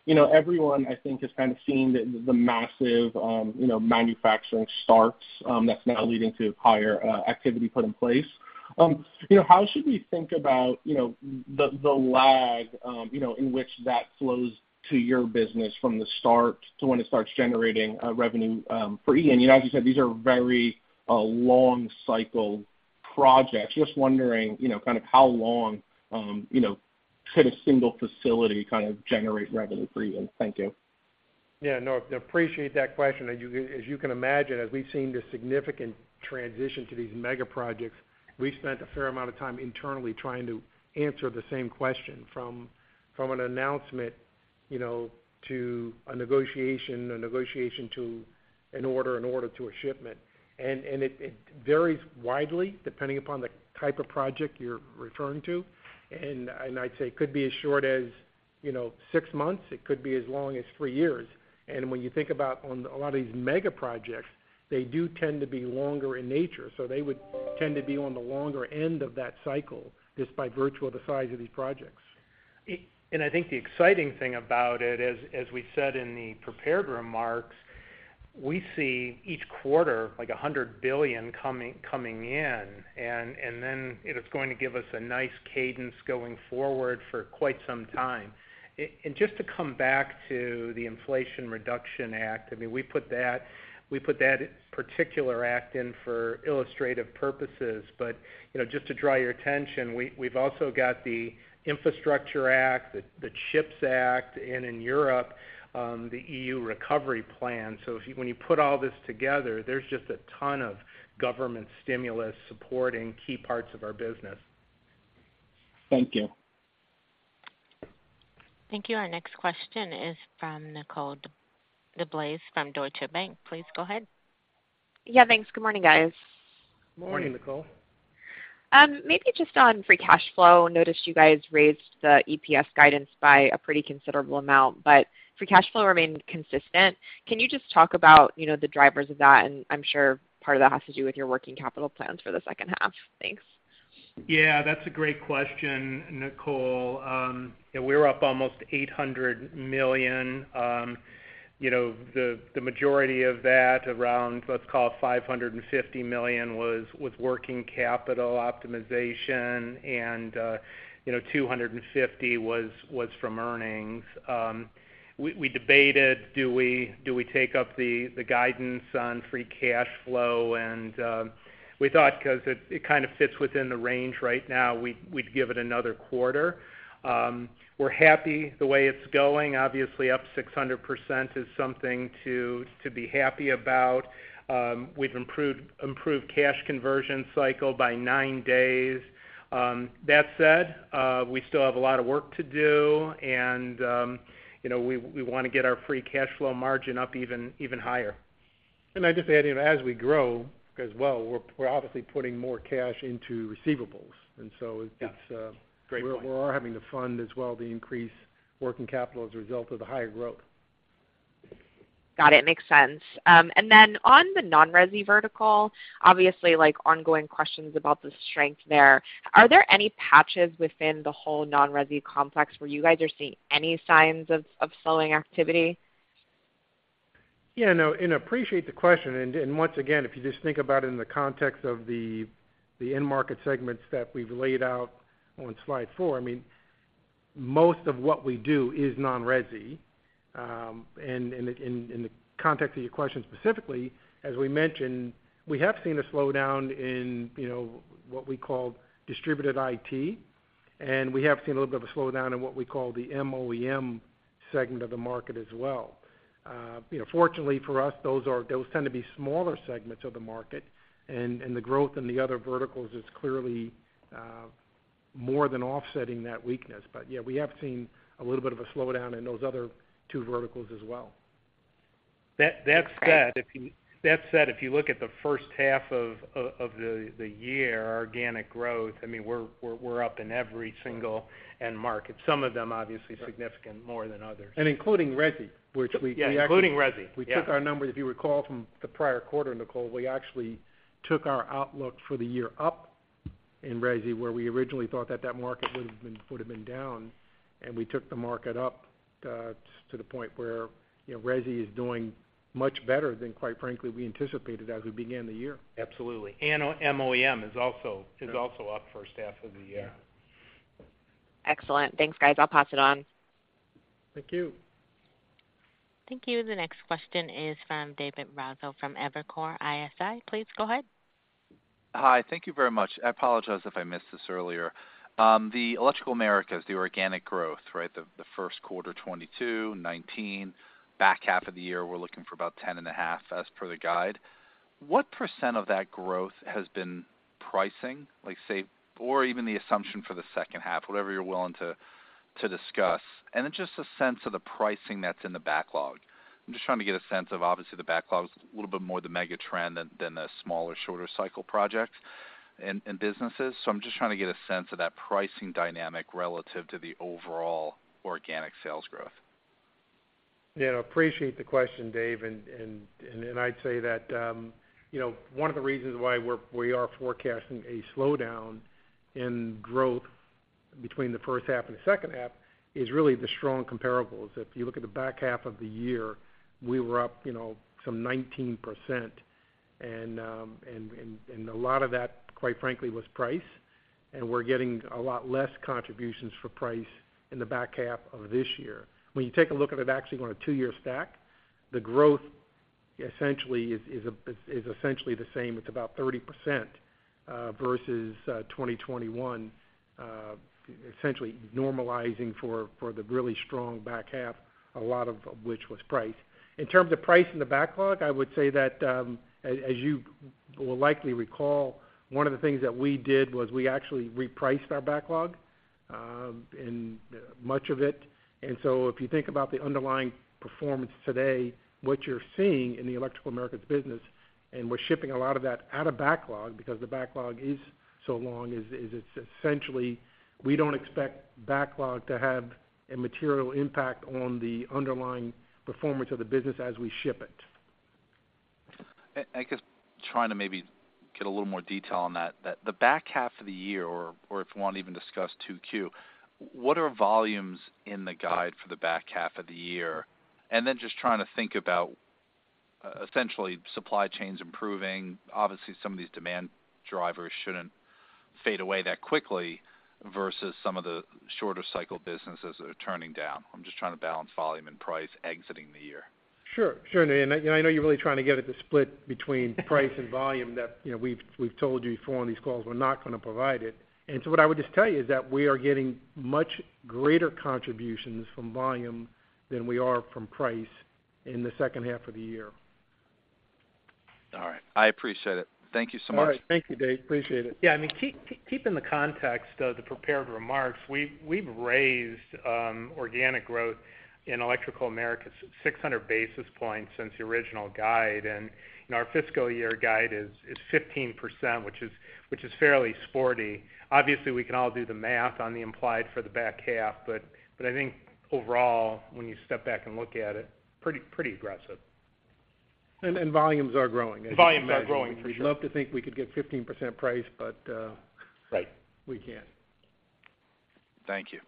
you know, everyone, I think, has kind of seen the, the massive, you know, manufacturing starts, that's now leading to higher activity put in place. You know, how should we think about, you know, the, the lag, you know, in which that flows to your business from the start to when it starts generating revenue for Eaton? You know, as you said, these are very long cycle projects. Just wondering, you know, kind of how long, you know, could a single facility kind of generate revenue for you? Thank you. Yeah, no, appreciate that question. As you, as you can imagine, as we've seen the significant transition to these mega projects, we've spent a fair amount of time internally trying to answer the same question from, from an announcement, you know, to a negotiation, a negotiation to an order, an order to a shipment. It, it varies widely, depending upon the type of project you're referring to. I'd say it could be as short as, you know, six months, it could be as long as three years. When you think about on a lot of these mega projects, they do tend to be longer in nature, so they would tend to be on the longer end of that cycle, just by virtue of the size of these projects. I think the exciting thing about it, as, as we said in the prepared remarks, we see each quarter, like, $100 billion coming, coming in, and then it is going to give us a nice cadence going forward for quite some time. Just to come back to the Inflation Reduction Act, I mean, we put that, we put that particular act in for illustrative purposes. You know, just to draw your attention, we've also got the Infrastructure Act, the CHIPS Act, and in Europe, the EU Recovery Plan. When you put all this together, there's just a ton of government stimulus supporting key parts of our business. Thank you. Thank you. Our next question is from Nicole DeBlase from Deutsche Bank. Please go ahead. Yeah, thanks. Good morning, guys. Morning, Nicole. Morning. Maybe just on free cash flow. Noticed you guys raised the EPS guidance by a pretty considerable amount, but free cash flow remained consistent. Can you just talk about, you know, the drivers of that? I'm sure part of that has to do with your working capital plans for the second half. Thanks. Yeah, that's a great question, Nicole. Yeah, we're up almost $800 million. You know, the, the majority of that, around, let's call it $550 million, was, was working capital optimization, and, you know, $250 million was, was from earnings. We, we debated, do we, do we take up the, the guidance on free cash flow? We thought, 'cause it, it kind of fits within the range right now, we, we'd give it another quarter. We're happy the way it's going. Obviously, up 600% is something to, to be happy about. We've improved, improved cash conversion cycle by 9 days. That said, we still have a lot of work to do, and, you know, we, we wanna get our free cash flow margin up even, even higher. I'd just add, you know, as we grow as well, we're, we're obviously putting more cash into receivables, and so it's. Yeah, great point.... we're having to fund as well, the increased working capital as a result of the higher growth. Got it. Makes sense. Then on the non-resi vertical, obviously, like, ongoing questions about the strength there. Are there any patches within the whole non-resi complex where you guys are seeing any signs of, of slowing activity? Yeah, no, and appreciate the question, and once again, if you just think about it in the context of the end market segments that we've laid out on slide four, I mean, most of what we do is non-resi. In the context of your question, specifically, as we mentioned, we have seen a slowdown in, you know, what we call distributed IT, and we have seen a little bit of a slowdown in what we call the MOEM segment of the market as well. You know, fortunately for us, those tend to be smaller segments of the market, and the growth in the other verticals is clearly more than offsetting that weakness. Yeah, we have seen a little bit of a slowdown in those other two verticals as well. That said, if you look at the first half of the year, organic growth, I mean, we're up in every single end market. Some of them obviously significant more than others. Including resi, which we actually. Yeah, including resi, yeah. We took our numbers, if you recall, from the prior quarter, Nicole. We actually took our outlook for the year up in resi, where we originally thought that that market would've been, would've been down, and we took the market up, to the point where, you know, resi is doing much better than, quite frankly, we anticipated as we began the year. Absolutely. MOEM is also- Sure is also up first half of the. Excellent. Thanks, guys. I'll pass it on. Thank you. Thank you. The next question is from David Raso from Evercore ISI. Please go ahead. Hi, thank you very much. I apologize if I missed this earlier. The Electrical Americas, the organic growth, right? The, the first quarter, 22, 19, back half of the year, we're looking for about 10.5, as per the guide. What % of that growth has been pricing, like, say, or even the assumption for the second half, whatever you're willing to, to discuss? Then just a sense of the pricing that's in the backlog. I'm just trying to get a sense of, obviously, the backlog is a little bit more the mega trend than, than the smaller, shorter cycle projects and, and businesses. I'm just trying to get a sense of that pricing dynamic relative to the overall organic sales growth. Yeah, I appreciate the question, Dave. I'd say that, you know, one of the reasons why we are forecasting a slowdown in growth between the first half and the second half, is really the strong comparables. If you look at the back half of the year, we were up, you know, some 19%. A lot of that, quite frankly, was price, and we're getting a lot less contributions for price in the back half of this year. When you take a look at it actually on a two-year stack, the growth essentially is the same. It's about 30% versus 2021, essentially normalizing for the really strong back half, a lot of which was price. In terms of price in the backlog, I would say that, as, as you will likely recall, one of the things that we did was we actually repriced our backlog, in much of it. So if you think about the underlying performance today, what you're seeing in the Electrical Americas business, and we're shipping a lot of that out of backlog because the backlog is so long, is it's essentially, we don't expect backlog to have a material impact on the underlying performance of the business as we ship it. I guess trying to maybe get a little more detail on that, that the back half of the year, or, or if you want to even discuss 2Q, what are volumes in the guide for the back half of the year? Just trying to think about, essentially, supply chains improving. Obviously, some of these demand drivers shouldn't fade away that quickly versus some of the shorter cycle businesses that are turning down. I'm just trying to balance volume and price exiting the year. Sure, sure. I, I know you're really trying to get at the split between price and volume that, you know, we've, we've told you before on these calls, we're not gonna provide it. What I would just tell you is that we are getting much greater contributions from volume than we are from price in the second half of the year. All right, I appreciate it. Thank Thank you so much. All right. Thank you, Dave. Appreciate it. Yeah, I mean, keep, keep in the context of the prepared remarks, we've, we've raised organic growth in Electrical Americas 600 basis points since the original guide, and, and our fiscal year guide is, is 15%, which is, which is fairly sporty. Obviously, we can all do the math on the implied for the back half, but, but I think overall, when you step back and look at it, pretty, pretty aggressive. Volumes are growing. Volumes are growing, for sure. We'd love to think we could get 15% price, but... Right we can't. Thank you.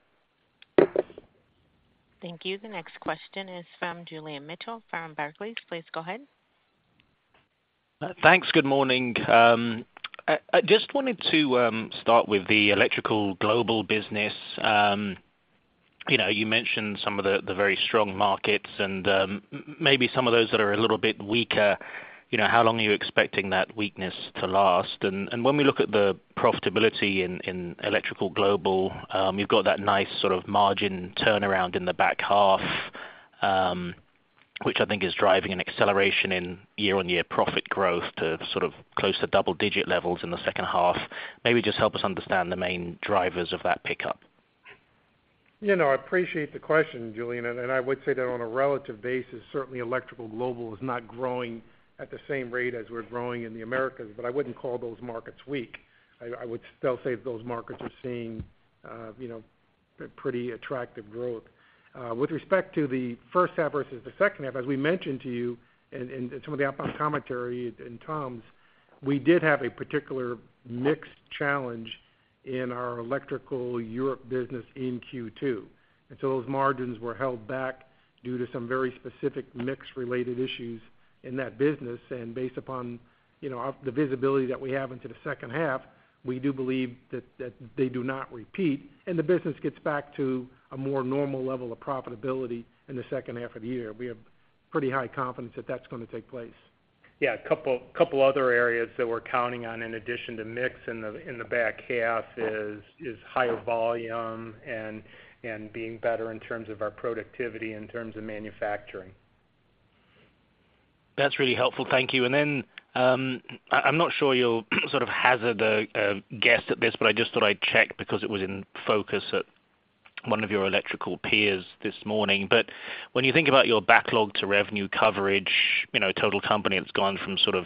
Thank you. The next question is from Julian Mitchell, from Barclays. Please go ahead. Thanks. Good morning. I, I just wanted to start with the Electrical Global business. You know, you mentioned some of the, the very strong markets and maybe some of those that are a little bit weaker. You know, how long are you expecting that weakness to last? When we look at the profitability in Electrical Global, you've got that nice sort of margin turnaround in the back half, which I think is driving an acceleration in year-on-year profit growth to sort of close to double-digit levels in the second half. Maybe just help us understand the main drivers of that pickup. You know, I appreciate the question, Julian, and I would say that on a relative basis, certainly Electrical Global is not growing at the same rate as we're growing in the Americas, but I wouldn't call those markets weak. I, I would still say those markets are seeing, you know, pretty attractive growth. With respect to the first half versus the second half, as we mentioned to you in, in some of the up-front commentary in Tom's, we did have a particular mix challenge in our Electrical Europe business in Q2. So those margins were held back due to some very specific mix-related issues in that business, and based upon, you know, the visibility that we have into the second half, we do believe that, that they do not repeat, and the business gets back to a more normal level of profitability in the second half of the year. We have pretty high confidence that that's gonna take place. Yeah, a couple, couple other areas that we're counting on in addition to mix in the, in the back half is, is higher volume and, and being better in terms of our productivity, in terms of manufacturing. That's really helpful. Thank you. Then, I, I'm not sure you'll sort of hazard a guess at this, but I just thought I'd check because it was in focus at one of your electrical peers this morning. When you think about your backlog to revenue coverage, you know, total company, it's gone from sort of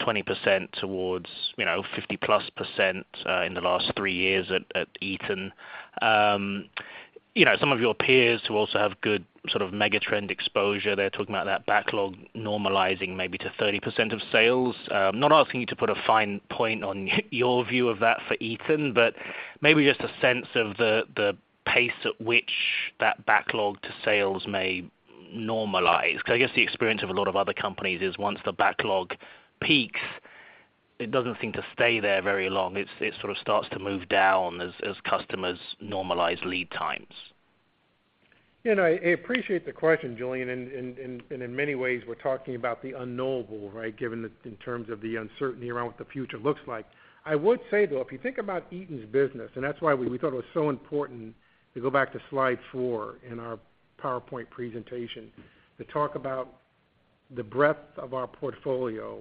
20% towards, you know, 50%+, in the last three years at Eaton. You know, some of your peers who also have good sort of megatrend exposure, they're talking about that backlog normalizing maybe to 30% of sales. Not asking you to put a fine point on your view of that for Eaton, but maybe just a sense of the pace at which that backlog to sales may normalize. I guess the experience of a lot of other companies is once the backlog peaks. It doesn't seem to stay there very long. It sort of starts to move down as customers normalize lead times. You know, I, I appreciate the question, Julian, and in many ways, we're talking about the unknowable, right? Given the uncertainty around what the future looks like. I would say, though, if you think about Eaton's business, and that's why we thought it was so important to go back to slide 4 in our PowerPoint presentation, to talk about the breadth of our portfolio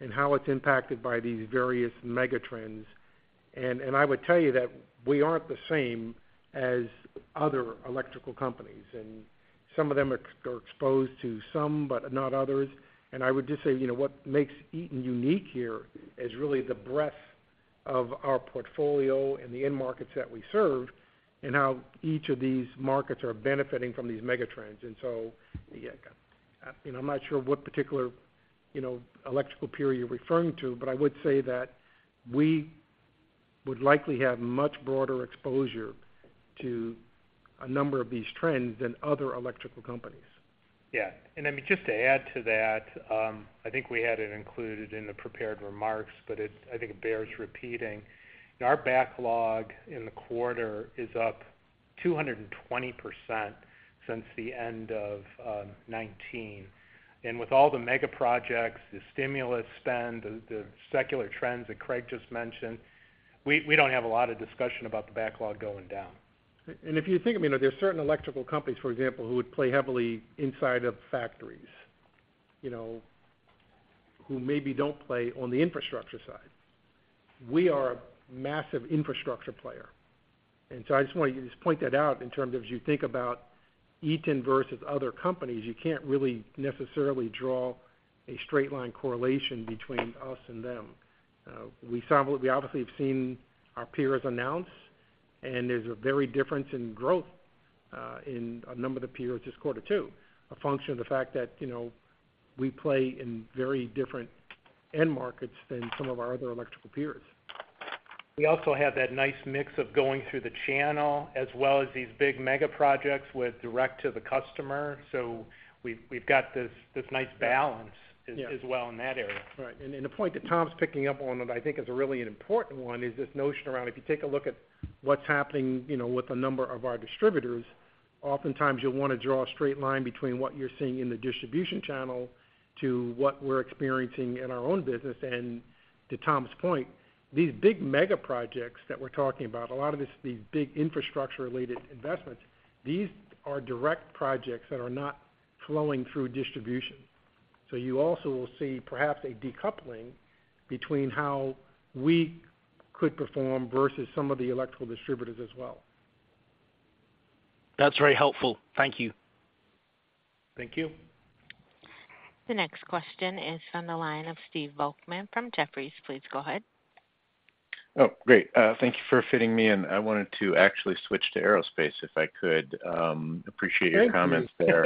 and how it's impacted by these various mega trends. I would tell you that we aren't the same as other electrical companies, and some of them are exposed to some, but not others. I would just say, you know, what makes Eaton unique here is really the breadth of our portfolio and the end markets that we serve, and how each of these markets are benefiting from these mega trends. Yeah, you know, I'm not sure what particular, you know, electrical peer you're referring to, but I would say that we would likely have much broader exposure to a number of these trends than other electrical companies. Yeah. I mean, just to add to that, I think we had it included in the prepared remarks, but it, I think it bears repeating. Our backlog in the quarter is up 220% since the end of 2019. With all the mega projects, the stimulus spend, the, the secular trends that Craig just mentioned, we, we don't have a lot of discussion about the backlog going down. If you think, I mean, there are certain electrical companies, for example, who would play heavily inside of factories, you know, who maybe don't play on the infrastructure side. We are a massive infrastructure player. I just want to just point that out in terms of as you think about Eaton versus other companies, you can't really necessarily draw a straight line correlation between us and them. We saw, we obviously have seen our peers announce, and there's a very difference in growth in a number of the peers this quarter, too, a function of the fact that, you know, we play in very different end markets than some of our other electrical peers. We also have that nice mix of going through the channel as well as these big mega projects with direct to the customer. We've got this nice balance. Yeah... as well in that area. Right. The point that Tom's picking up on, that I think is a really an important one, is this notion around if you take a look at what's happening, you know, with a number of our distributors, oftentimes you'll want to draw a straight line between what you're seeing in the distribution channel to what we're experiencing in our own business. To Tom's point, these big mega projects that we're talking about, a lot of this, these big infrastructure-related investments, these are direct projects that are not flowing through distribution. You also will see, perhaps, a decoupling between how we could perform versus some of the electrical distributors as well. That's very helpful. Thank you. Thank you. The next question is from the line of Stephen Volkmann from Jefferies. Please go ahead. Oh, great. Thank you for fitting me in. I wanted to actually switch to Aerospace, if I could. Appreciate your comments there.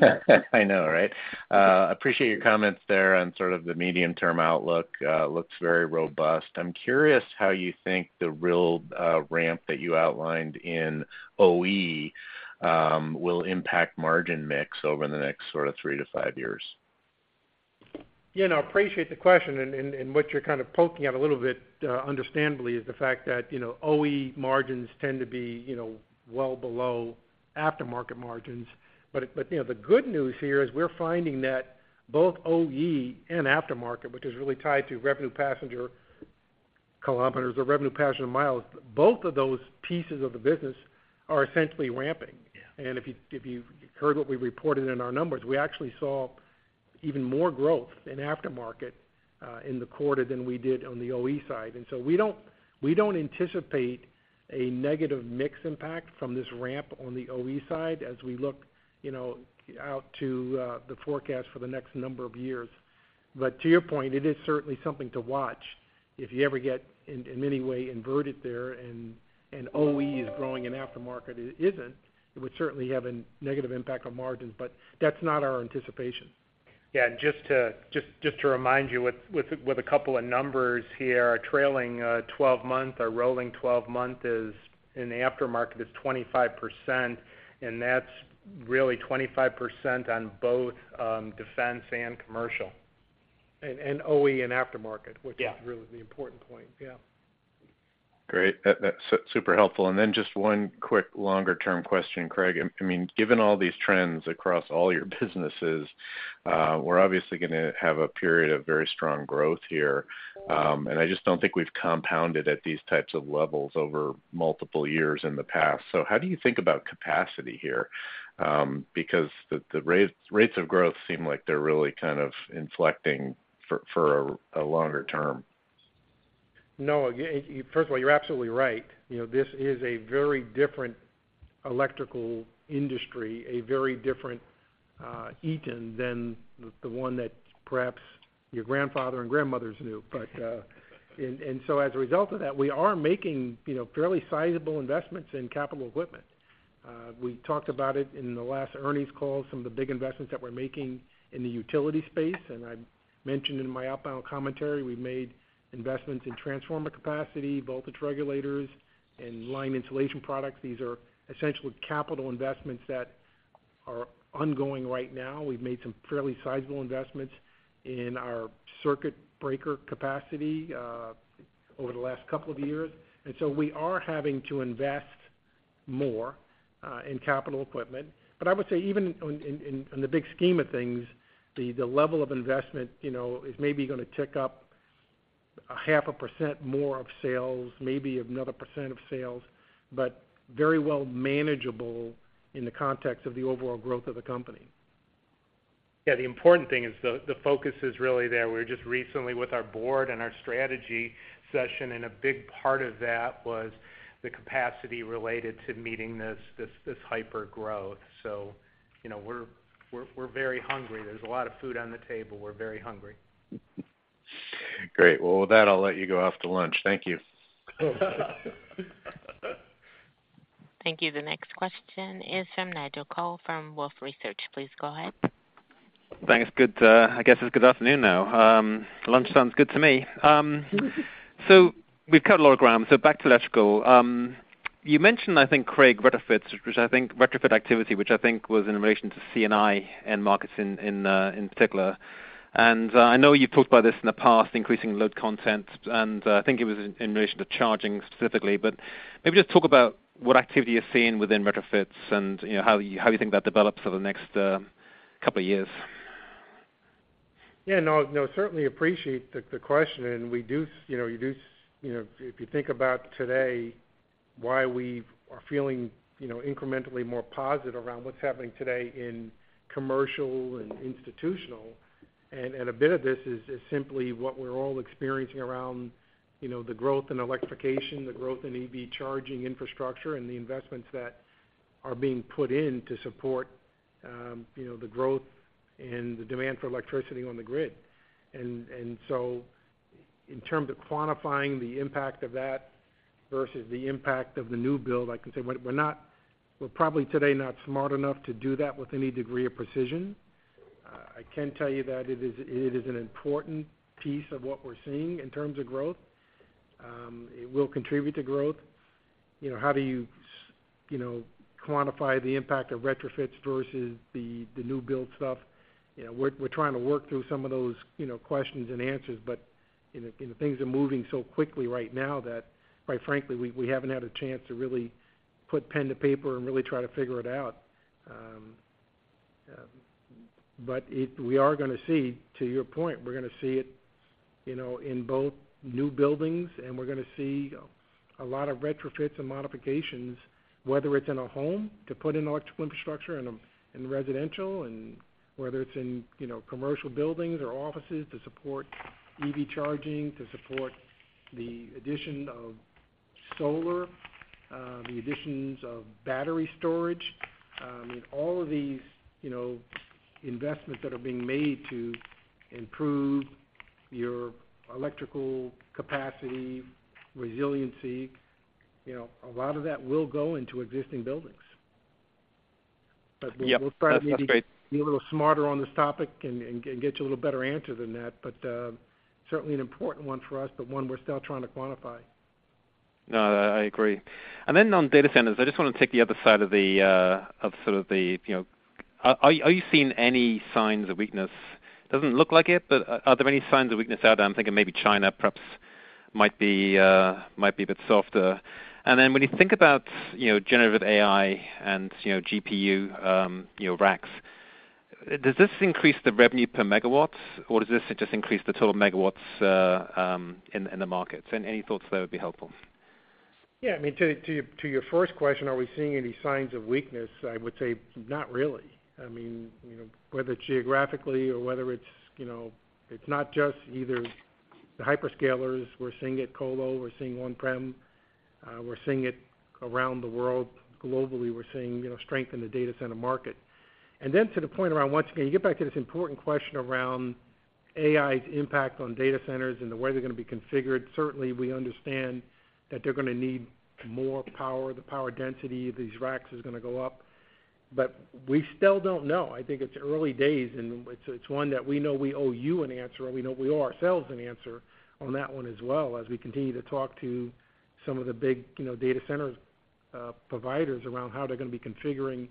Thank you. I know, right? Appreciate your comments there on sort of the medium-term outlook, looks very robust. I'm curious how you think the real ramp that you outlined in OE, will impact margin mix over the next sort of three to five years. Yeah, no, appreciate the question, and, and, and what you're kind of poking at a little bit, understandably, is the fact that, you know, OE margins tend to be, you know, well below aftermarket margins. But, you know, the good news here is we're finding that both OE and aftermarket, which is really tied to revenue passenger kilometers or revenue passenger miles, both of those pieces of the business are essentially ramping. If you, if you heard what we reported in our numbers, we actually saw even more growth in aftermarket in the quarter than we did on the OE side. So we don't, we don't anticipate a negative mix impact from this ramp on the OE side as we look, you know, out to the forecast for the next number of years. To your point, it is certainly something to watch. If you ever get in, in any way inverted there and, and OE is growing, and aftermarket isn't, it would certainly have a negative impact on margins, but that's not our anticipation. Yeah, just to remind you with a couple of numbers here. Our trailing 12-month, our rolling 12-month is, in the aftermarket, is 25%, and that's really 25% on both defense and commercial. OE and aftermarket- Yeah... which is really the important point. Yeah. Great. That's super helpful. Then just one quick, longer-term question, Craig. I mean, given all these trends across all your businesses, we're obviously going to have a period of very strong growth here. I just don't think we've compounded at these types of levels over multiple years in the past. How do you think about capacity here? Because rates of growth seem like they're really kind of inflecting for a longer term. First of all, you're absolutely right. You know, this is a very different electrical industry, a very different Eaton than the one that perhaps your grandfather and grandmothers knew. As a result of that, we are making, you know, fairly sizable investments in capital equipment. We talked about it in the last earnings call, some of the big investments that we're making in the utility space, and I mentioned in my outbound commentary, we've made investments in transformer capacity, voltage regulators, and line insulation products. These are essentially capital investments that are ongoing right now. We've made some fairly sizable investments in our circuit breaker capacity over the last couple of years, and so we are having to invest more in capital equipment. I would say even on, in the big scheme of things, the, the level of investment, you know, is maybe gonna tick up 0.5% more of sales, maybe another 1% of sales, but very well manageable in the context of the overall growth of the company. Yeah, the important thing is the, the focus is really there. We're just recently with our board and our strategy session, and a big part of that was the capacity related to meeting this, this, this hyper growth. You know, we're, we're, we're very hungry. There's a lot of food on the table. We're very hungry. Great. Well, with that, I'll let you go off to lunch. Thank you. Thank you. The next question is from Nigel Coe from Wolfe Research. Please go ahead. Thanks. Good, I guess it's good afternoon now. Lunch sounds good to me. We've covered a lot of ground, so back to electrical. You mentioned, I think, Craig, retrofits, which I think retrofit activity, which I think was in relation to C&I end markets in, in particular. I know you've talked about this in the past, increasing load content, and I think it was in, in relation to charging specifically, but maybe just talk about what activity you're seeing within retrofits and, you know, how you, how you think that develops over the next couple of years. Yeah, no, no, certainly appreciate the, the question, and we do, you know, you do... You know, if you think about today, why we are feeling, you know, incrementally more positive around what's happening today in commercial and institutional, and, and a bit of this is, is simply what we're all experiencing around, you know, the growth in electrification, the growth in EV charging infrastructure, and the investments that are being put in to support, you know, the growth and the demand for electricity on the grid. So in terms of quantifying the impact of that versus the impact of the new build, I can say we're, we're probably today not smart enough to do that with any degree of precision. I can tell you that it is, it is an important piece of what we're seeing in terms of growth. It will contribute to growth. You know, how do you, you know, quantify the impact of retrofits versus the, the new build stuff? You know, we're, we're trying to work through some of those, you know, questions and answers, but, you know, and things are moving so quickly right now that, quite frankly, we, we haven't had a chance to really put pen to paper and really try to figure it out. We are gonna see, to your point, we're gonna see it, you know, in both new buildings, and we're gonna see a lot of retrofits and modifications, whether it's in a home, to put in electrical infrastructure in a, in residential, and whether it's in, you know, commercial buildings or offices to support EV charging, to support the addition of solar, the additions of battery storage. I mean, all of these, you know, investments that are being made to improve your electrical capacity, resiliency, you know, a lot of that will go into existing buildings. Yeah, that's great. We'll probably maybe be a little smarter on this topic and, and, and get you a little better answer than that, but, certainly an important one for us, but one we're still trying to quantify. No, I agree. Then on data centers, I just wanna take the other side of the, of sort of the, you know. Are, are you seeing any signs of weakness? Doesn't look like it, but are there any signs of weakness out there? I'm thinking maybe China perhaps might be, might be a bit softer. Then when you think about, you know, generative AI and, you know, GPU, you know, racks, does this increase the revenue per megawatts, or does this just increase the total megawatts in, in the markets? Any thoughts there would be helpful. Yeah. I mean, to, to your, to your first question, are we seeing any signs of weakness? I would say not really. I mean, you know, whether geographically or whether it's, you know, it's not just either the hyperscalers. We're seeing it colo, we're seeing on-prem, we're seeing it around the world. Globally, we're seeing, you know, strength in the data center market. To the point around, once again, you get back to this important question around AI's impact on data centers and the way they're gonna be configured. Certainly, we understand that they're gonna need more power. The power density of these racks is gonna go up. We still don't know. I think it's early days, and it's, it's one that we know we owe you an answer, and we know we owe ourselves an answer on that one as well, as we continue to talk to some of the big, you know, data centers, providers around how they're gonna be configuring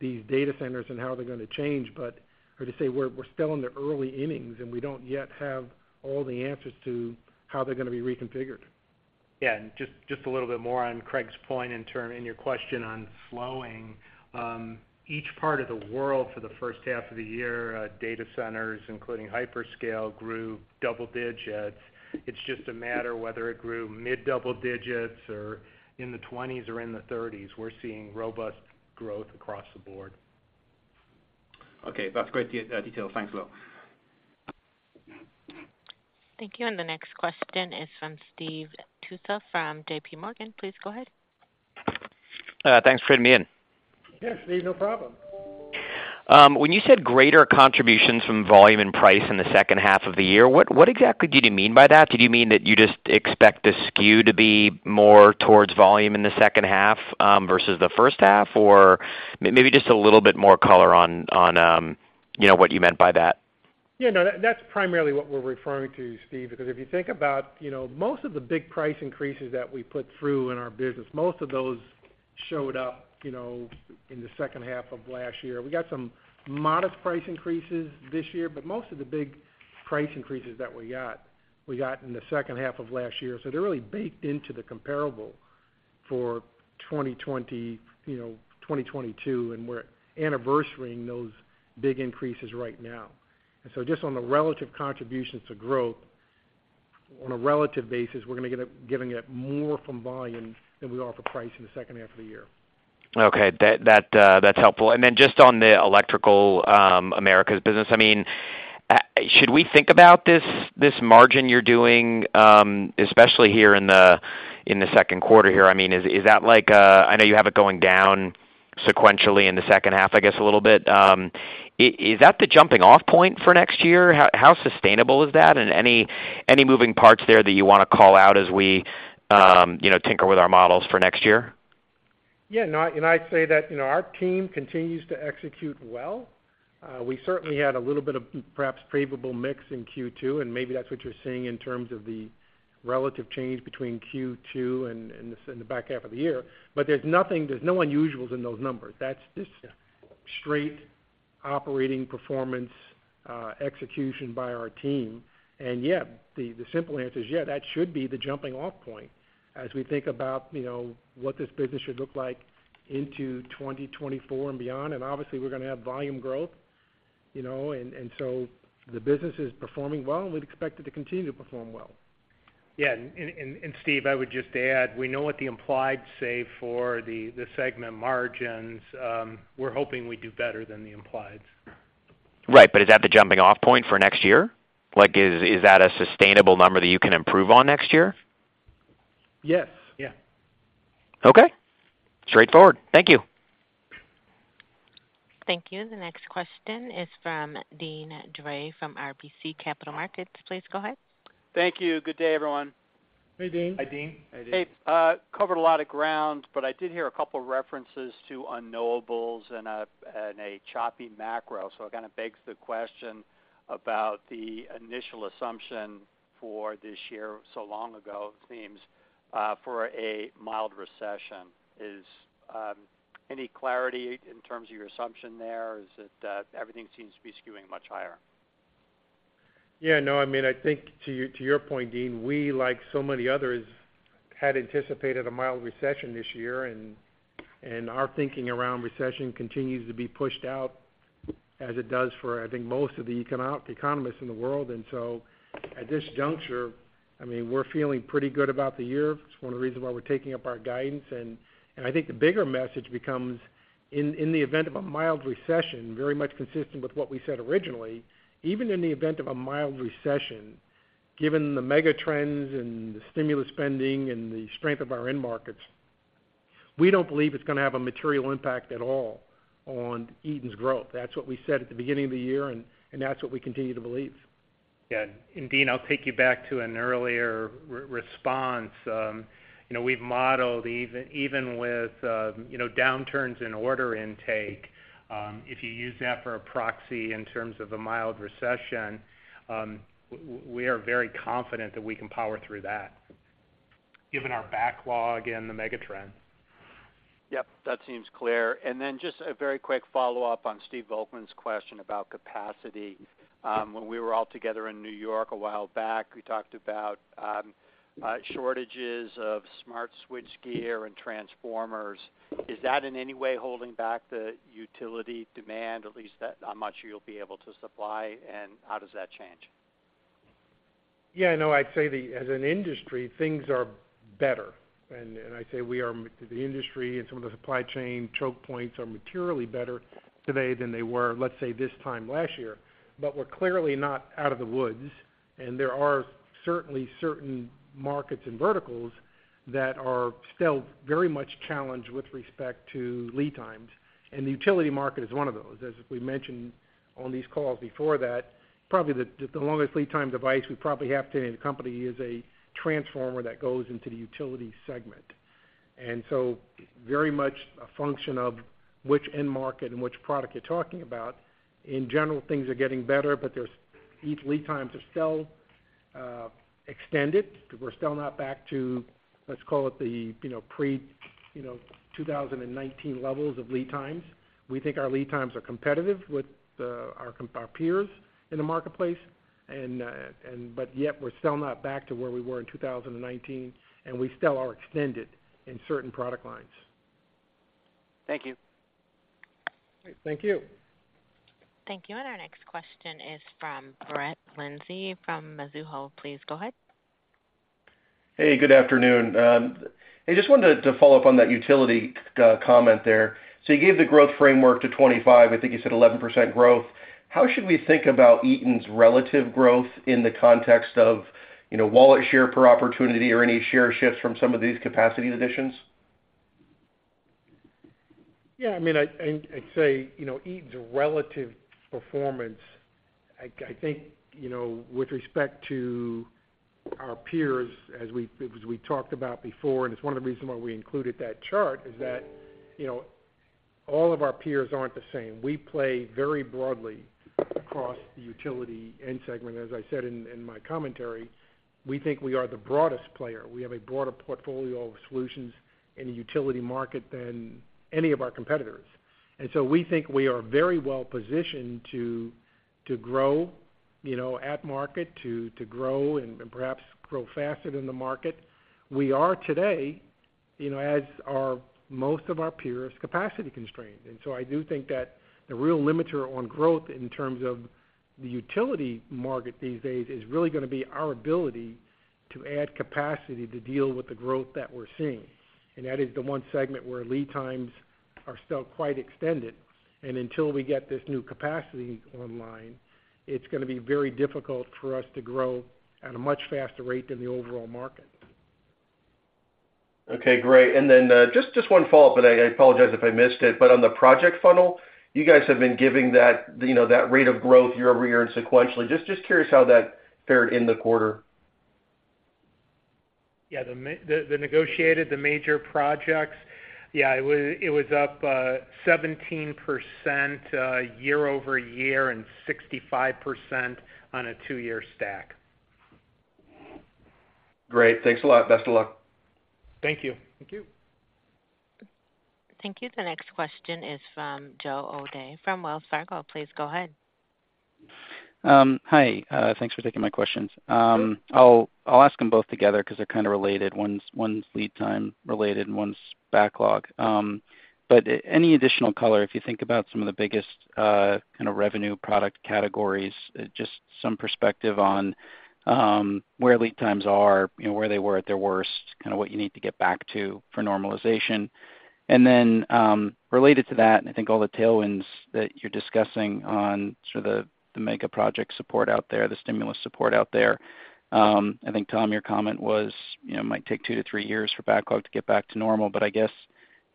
these data centers and how they're gonna change. Hard to say, we're, we're still in the early innings, and we don't yet have all the answers to how they're gonna be reconfigured. Yeah, just, just a little bit more on Craig's point in turn, in your question on slowing. Each part of the world for the first half of the year, data centers, including hyperscale, grew double digits. It's just a matter whether it grew mid-double digits or in the twenties or in the thirties. We're seeing robust growth across the board. Okay, that's great detail. Thanks a lot. Thank you. The next question is from Steve Tusa from JPMorgan. Please go ahead. Thanks for letting me in. Yeah, Steve, no problem. When you said greater contributions from volume and price in the second half of the year, what, what exactly did you mean by that? Did you mean that you just expect the skew to be more towards volume in the second half versus the first half? Or maybe just a little bit more color on, on, you know, what you meant by that. No, that, that's primarily what we're referring to, Steve, because if you think about, you know, most of the big price increases that we put through in our business, most of those showed up, you know, in the second half of last year. We got some modest price increases this year, but most of the big price increases that we got, we got in the second half of last year. They're really baked into the comparable for 2020, you know, 2022, and we're anniversarying those big increases right now. Just on the relative contributions to growth, on a relative basis, we're gonna get it- getting it more from volume than we are for price in the second half of the year. Okay. That, that, that's helpful. Then just on the Electrical Americas business, I mean, should we think about this, this margin you're doing, especially here in the second quarter here? I mean, is, is that like, I know you have it going down sequentially in the second half, I guess, a little bit. Is, is that the jumping-off point for next year? How, how sustainable is that, and any, any moving parts there that you wanna call out as we, you know, tinker with our models for next year? Yeah, no, and I'd say that, you know, our team continues to execute well. We certainly had a little bit of perhaps favorable mix in Q2, and maybe that's what you're seeing in terms of the relative change between Q2 and, and the back half of the year. There's nothing, there's no unusuals in those numbers. That's just straight operating performance, execution by our team. Yeah, the, the simple answer is, yeah, that should be the jumping-off point as we think about, you know, what this business should look like into 2024 and beyond. Obviously, we're gonna have volume growth, you know, and so the business is performing well, and we'd expect it to continue to perform well. Yeah. Steve, I would just add, we know what the implied say for the, the segment margins. We're hoping we do better than the implieds. Right. Is that the jumping-off point for next year? Like, is, is that a sustainable number that you can improve on next year? Yes. Yeah. Okay. Straightforward. Thank you. Thank you. The next question is from Deane Dray from RBC Capital Markets. Please go ahead. Thank you. Good day, everyone. Hey, Deane. Hi, Deane. Hi, Deane. Hey, covered a lot of ground, but I did hear a couple references to unknowables and a, and a choppy macro. It kind of begs the question about the initial assumption for this year, so long ago, it seems, for a mild recession. Is any clarity in terms of your assumption there, is it that everything seems to be skewing much higher? Yeah, no, I mean, I think to your, to your point, Dean, we, like so many others, had anticipated a mild recession this year. Our thinking around recession continues to be pushed out as it does for, I think, most of the economists in the world. At this juncture, I mean, we're feeling pretty good about the year. It's one of the reasons why we're taking up our guidance. I think the bigger message becomes, in the event of a mild recession, very much consistent with what we said originally, even in the event of a mild recession, given the mega trends and the stimulus spending and the strength of our end markets, we don't believe it's gonna have a material impact at all on Eaton's growth. That's what we said at the beginning of the year, and that's what we continue to believe. Yeah. Dean, I'll take you back to an earlier response. You know, we've modeled even, even with, you know, downturns in order intake, we are very confident that we can power through that, given our backlog and the mega trend. Yep, that seems clear. Then just a very quick follow-up on Stephen Volkmann's question about capacity. When we were all together in New York a while back, we talked about shortages of smart switchgear and transformers. Is that in any way holding back the utility demand, at least that, how much you'll be able to supply, and how does that change? Yeah, no, I'd say the, as an industry, things are better. I'd say we are the industry and some of the supply chain choke points are materially better today than they were, let's say, this time last year. We're clearly not out of the woods, and there are certainly certain markets and verticals that are still very much challenged with respect to lead times, and the utility market is one of those. As we mentioned on these calls before that, probably the, the longest lead time device we probably have today in the company is a transformer that goes into the utility segment. So very much a function of which end market and which product you're talking about. In general, things are getting better, but there's, each lead times are still extended. We're still not back to, let's call it the, you know, pre, you know, 2019 levels of lead times. We think our lead times are competitive with our peers in the marketplace. But yet we're still not back to where we were in 2019, and we still are extended in certain product lines. Thank you. Great. Thank you. Thank you. Our next question is from Brett Linzey from Mizuho. Please go ahead. Hey, good afternoon. I just wanted to follow up on that utility comment there. You gave the growth framework to 25, I think you said 11% growth. How should we think about Eaton's relative growth in the context of, you know, wallet share per opportunity or any share shifts from some of these capacity additions? Yeah, I mean, I'd say, you know, Eaton's relative performance, I think, you know, with respect to our peers, as we talked about before, and it's one of the reasons why we included that chart, is that, you know, all of our peers aren't the same. We play very broadly across the utility end segment. As I said in, in my commentary, we think we are the broadest player. We have a broader portfolio of solutions in the utility market than any of our competitors. So we think we are very well-positioned to grow, you know, at market, to grow and perhaps grow faster than the market. We are today, you know, as are most of our peers, capacity-constrained. I do think that the real limiter on growth in terms of the utility market these days, is really gonna be our ability to add capacity to deal with the growth that we're seeing. That is the one segment where lead times are still quite extended. Until we get this new capacity online, it's gonna be very difficult for us to grow at a much faster rate than the overall market. Okay, great. Just, just one follow-up, and I, I apologize if I missed it, but on the project funnel, you guys have been giving that, you know, that rate of growth year-over-year and sequentially. Just, just curious how that fared in the quarter? Yeah, the, the negotiated, the major projects, yeah, it was, it was up 17% year-over-year and 65% on a two-year stack. Great. Thanks a lot. Best of luck. Thank you. Thank you. Thank you. The next question is from Joseph O'Dea from Wells Fargo. Please go ahead. Hi. Thanks for taking my questions. I'll ask them both together because they're kind of related. One's lead time related and one's backlog. Any additional color, if you think about some of the biggest kind of revenue product categories, just some perspective on where lead times are, you know, where they were at their worst, kind of what you need to get back to for normalization. Related to that, and I think all the tailwinds that you're discussing on sort of the mega project support out there, the stimulus support out there, I think, Tom, your comment was, you know, it might take two to three years for backlog to get back to normal. I guess,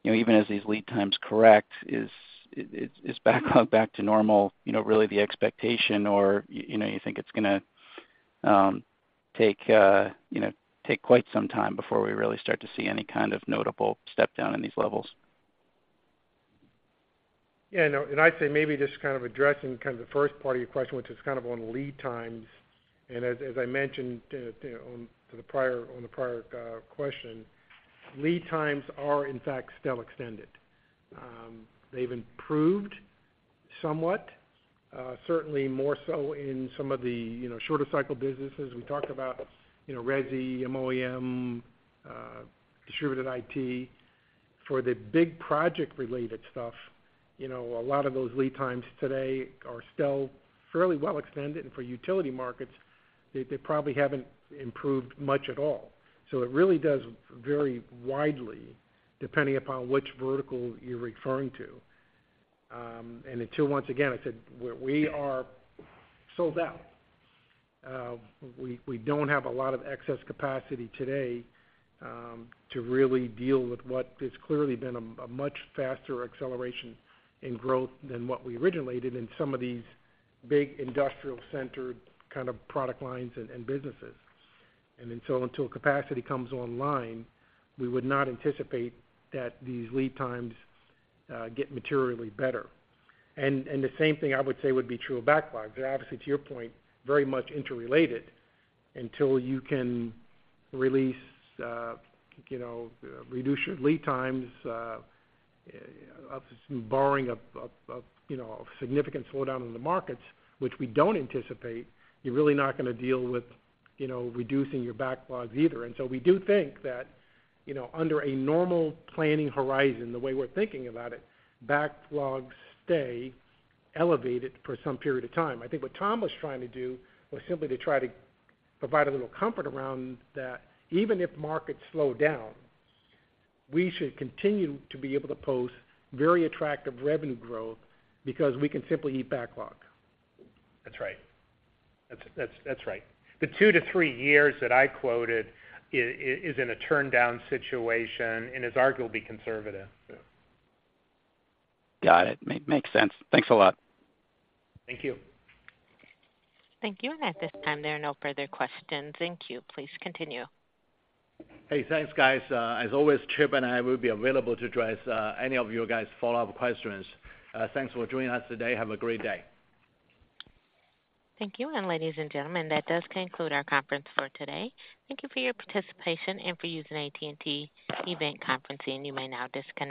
you know, even as these lead times correct, is, is, is backlog back to normal, you know, really the expectation or, you know, you think it's gonna take, you know, take quite some time before we really start to see any kind of notable step down in these levels? Yeah, no, I'd say maybe just kind of addressing kind of the first part of your question, which is kind of on lead times. As, as I mentioned, on to the prior, on the prior, question, lead times are in fact still extended. They've improved somewhat, certainly more so in some of the, you know, shorter cycle businesses. We talked about, you know, resi, MOEM, distributed IT. For the big project-related stuff, you know, a lot of those lead times today are still fairly well extended, and for utility markets, they, they probably haven't improved much at all. It really does vary widely, depending upon which vertical you're referring to. Until once again, I said, we, we are sold out. We, we don't have a lot of excess capacity today to really deal with what has clearly been a, a much faster acceleration in growth than what we originally did in some of these big industrial-centered kind of product lines and, and businesses. Until capacity comes online, we would not anticipate that these lead times get materially better. The same thing I would say would be true of backlogs. They're obviously, to your point, very much interrelated. Until you can release, you know, reduce your lead times, borrowing of, of, of, you know, of significant slowdown in the markets, which we don't anticipate, you're really not gonna deal with, you know, reducing your backlogs either. We do think that, you know, under a normal planning horizon, the way we're thinking about it, backlogs stay elevated for some period of time. I think what Tom was trying to do was simply to try to provide a little comfort around that. Even if markets slow down, we should continue to be able to post very attractive revenue growth because we can simply eat backlog. That's right. That's, that's, that's right. The two to three years that I quoted is in a turndown situation and is arguably conservative. Got it. makes sense. Thanks a lot. Thank you. Thank you. At this time, there are no further questions. Thank you. Please continue. Hey, thanks, guys. As always, Chip and I will be available to address any of your guys' follow-up questions. Thanks for joining us today. Have a great day. Thank you. Ladies and gentlemen, that does conclude our conference for today. Thank you for your participation and for using AT&T Event Conferencing. You may now disconnect.